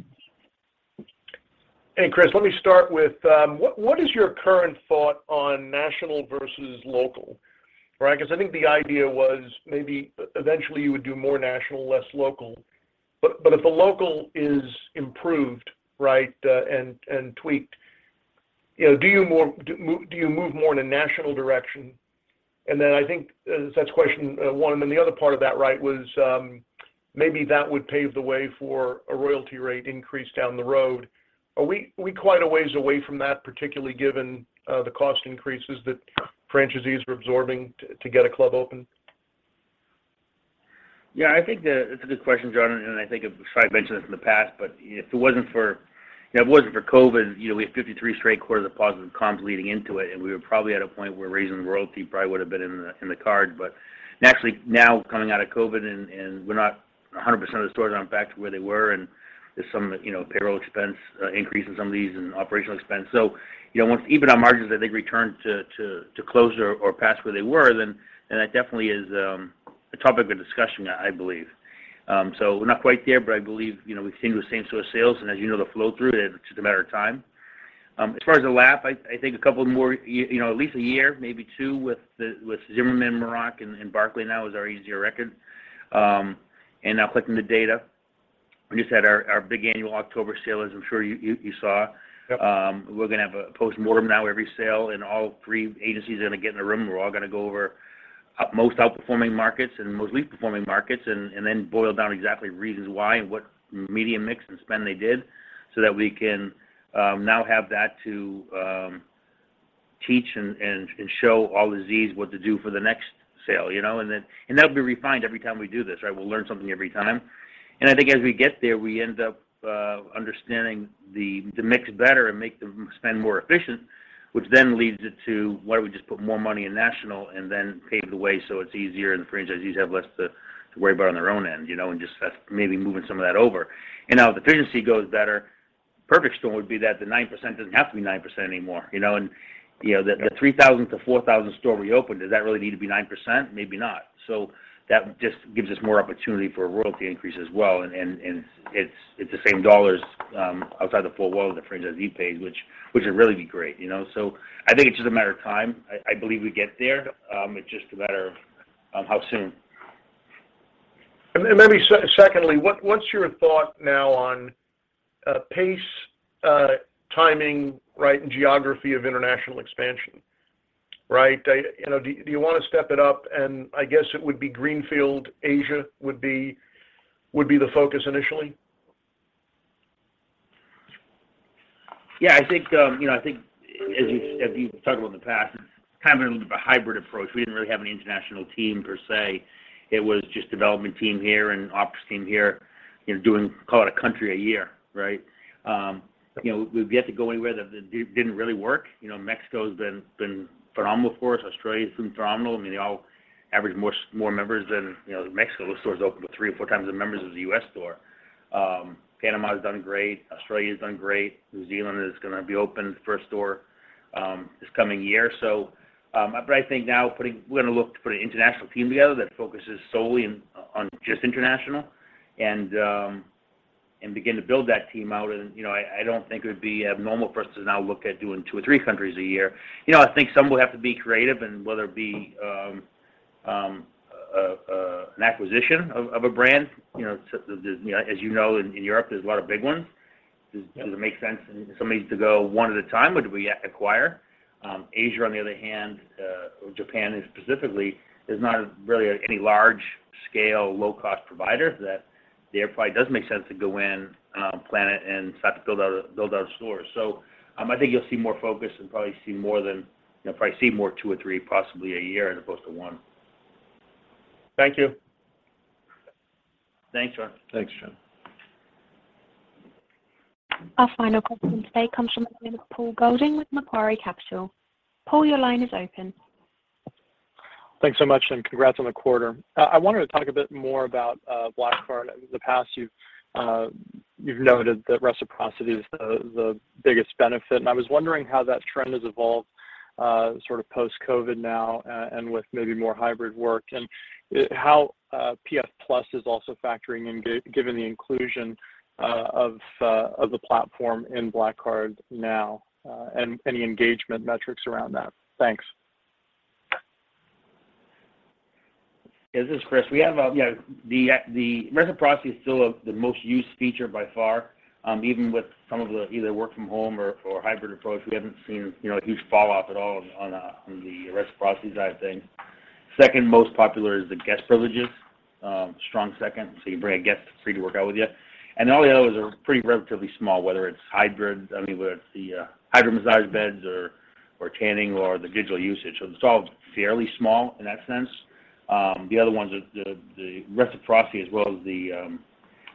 Speaker 16: Hey, Chris, let me start with what is your current thought on national versus local? Right? Because I think the idea was maybe eventually you would do more national, less local. If the local is improved, right, and tweaked, you know, do you move more in a national direction? Then I think that's question one, and then the other part of that, right, was maybe that would pave the way for a royalty rate increase down the road. Are we quite a ways away from that, particularly given the cost increases that franchisees were absorbing to get a club open?
Speaker 3: Yeah, I think that it's a good question, John, and I think I've probably mentioned this in the past. If it wasn't for, you know, if it wasn't for COVID, you know, we had 53 straight quarters of positive comps leading into it, and we were probably at a point where raising the royalty probably would have been in the cards. Naturally now coming out of COVID and we're not 100% of the stores aren't back to where they were, and there's some, you know, payroll expense increase in some of these and operational expense. Once our margins, I think, return to close or past where they were then, that definitely is a topic of discussion, I believe. We're not quite there, but I believe, you know, we've seen those same store sales, and as you know, they'll flow through it. It's just a matter of time. As far as the lap, I think a couple more, you know, at least a year, maybe two with Zimmerman, Mrozek, and Barkley now is our easier comps, and now collecting the data. We just had our big annual October sale, as I'm sure you saw.
Speaker 16: Yep.
Speaker 3: We're gonna have a postmortem now every sale, and all three agencies are gonna get in a room. We're all gonna go over our most outperforming markets and most weakly performing markets and then boil down exactly reasons why and what media mix and spend they did so that we can now have that to teach and show all the Zs what to do for the next sale, you know? That'll be refined every time we do this, right? We'll learn something every time. I think as we get there, we end up understanding the mix better and make the spend more efficient, which then leads it to why don't we just put more money in national and then pave the way so it's easier, and the franchisees have less to worry about on their own end, you know, and just maybe moving some of that over. Now if efficiency goes better, perfect storm would be that the 9% doesn't have to be 9% anymore, you know? The 3,000-4,000 store reopen, does that really need to be 9%? Maybe not. That just gives us more opportunity for a royalty increase as well, and it's the same dollars outside the four walls the franchisee pays, which would really be great, you know? I think it's just a matter of time. I believe we get there. It's just a matter of how soon.
Speaker 16: Maybe secondly, what's your thought now on pace, timing, right, and geography of international expansion, right? You know, do you wanna step it up? I guess it would be greenfield Asia would be the focus initially.
Speaker 3: Yeah. I think, you know, I think as you, as you've talked about in the past, kind of a little bit of a hybrid approach. We didn't really have any international team per se. It was just development team here and ops team here, you know, doing, call it a country a year, right? You know, we get to go anywhere that it didn't really work. You know, Mexico's been phenomenal for us. Australia's been phenomenal. I mean, they all average more members than, you know, Mexico. Those stores open with three or four times the members of the U.S. store. Panama's done great. Australia's done great. New Zealand is gonna be open, the first store, this coming year. I think now we're gonna look to put an international team together that focuses solely on just international and begin to build that team out. You know, I don't think it would be abnormal for us to now look at doing two or three countries a year. You know, I think some will have to be creative and whether it be an acquisition of a brand, you know. As you know, in Europe there's a lot of big ones.
Speaker 16: Yeah.
Speaker 3: Does it make sense for somebody to go one at a time or do we acquire? Asia, on the other hand, or Japan specifically, is not really any large-scale, low-cost provider that there probably does make sense to go in, Planet and start to build out stores. I think you'll see more focus and probably see more than, you know, probably see more two or three possibly a year as opposed to one.
Speaker 16: Thank you.
Speaker 3: Thanks, John.
Speaker 4: Thanks, John.
Speaker 1: Our final question today comes from the line of Paul Golding with Macquarie Capital. Paul, your line is open.
Speaker 17: Thanks so much, and congrats on the quarter. I wanted to talk a bit more about Black Card. In the past you've noted that reciprocity is the biggest benefit, and I was wondering how that trend has evolved sort of post-COVID now and with maybe more hybrid work and how PF+ is also factoring in given the inclusion of the platform in Black Card now and any engagement metrics around that. Thanks.
Speaker 3: Yeah. This is Chris. You know, the reciprocity is still of the most used feature by far, even with some of the either work from home or hybrid approach, we haven't seen, you know, a huge fall off at all on the reciprocity side of things. Second most popular is the guest privileges, strong second. You bring a guest for free to work out with you. All the others are pretty relatively small, whether it's the HydroMassage beds or tanning or the digital usage. It's all fairly small in that sense. The other ones are the reciprocity as well as the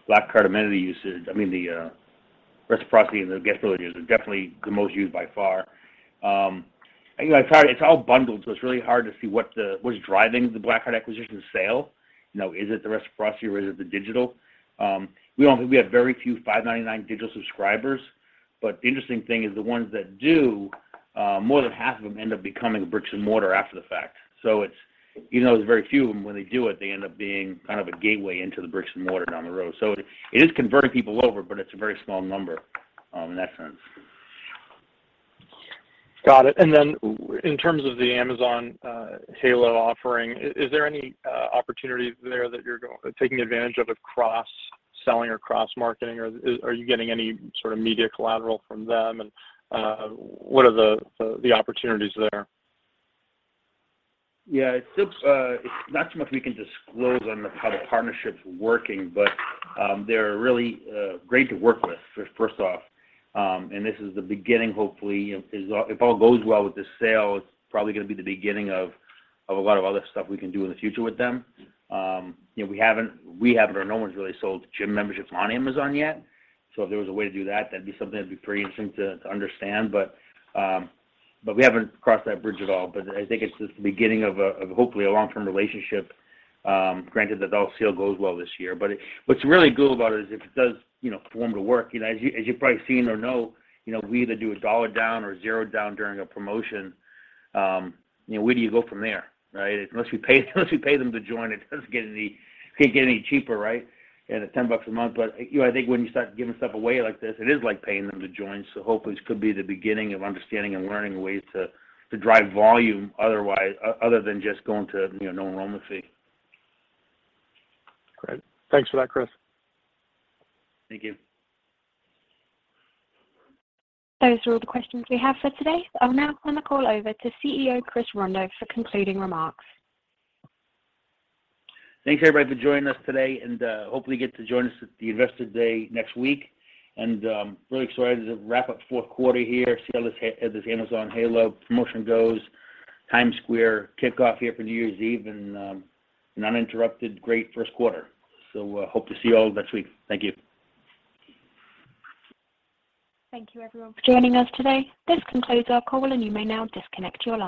Speaker 3: Black Card amenity usage. I mean, the reciprocity and the guest privileges are definitely the most used by far. You know, it's hard, it's all bundled, so it's really hard to see what is driving the Black Card acquisition sale. You know, is it the reciprocity or is it the digital? We only have very few $5.99 digital subscribers, but the interesting thing is the ones that do, more than half of them end up becoming bricks and mortar after the fact. It's even though there's very few of them, when they do it, they end up being kind of a gateway into the bricks and mortar down the road. It is converting people over, but it's a very small number in that sense.
Speaker 17: Got it. In terms of the Amazon Halo offering, is there any opportunities there that you're taking advantage of cross-selling or cross-marketing or are you getting any sort of media collateral from them, and what are the opportunities there?
Speaker 3: Yeah. It's still, it's not too much we can disclose on how the partnership's working, but, they're really, great to work with, first off. This is the beginning, hopefully, if all goes well with this sale, it's probably gonna be the beginning of a lot of other stuff we can do in the future with them. You know, we haven't or no one's really sold gym memberships on Amazon yet. If there was a way to do that'd be something that'd be pretty interesting to understand. But we haven't crossed that bridge at all, but I think it's just the beginning of a hopefully a long-term relationship, granted that the whole sale goes well this year. What's really cool about it is if it does, you know, for it to work, you know, as you've probably seen or know, you know, we either do a dollar down or zero down during a promotion. You know, where do you go from there, right? Unless we pay them to join, it can't get any cheaper, right? You know, the $10 a month. You know, I think when you start giving stuff away like this, it is like paying them to join. Hopefully this could be the beginning of understanding and learning ways to drive volume otherwise, other than just going to, you know, no enrollment fee.
Speaker 17: Great. Thanks for that, Chris.
Speaker 3: Thank you.
Speaker 1: Those are all the questions we have for today. I'll now turn the call over to CEO Chris Rondeau for concluding remarks.
Speaker 3: Thanks, everybody, for joining us today, and hopefully you get to join us at the Investor Day next week. Really excited to wrap up fourth quarter here, see how this Amazon Halo promotion goes, Times Square kickoff here for New Year's Eve, and an uninterrupted great first quarter. Hope to see you all next week. Thank you.
Speaker 1: Thank you everyone for joining us today. This concludes our call, and you may now disconnect your line.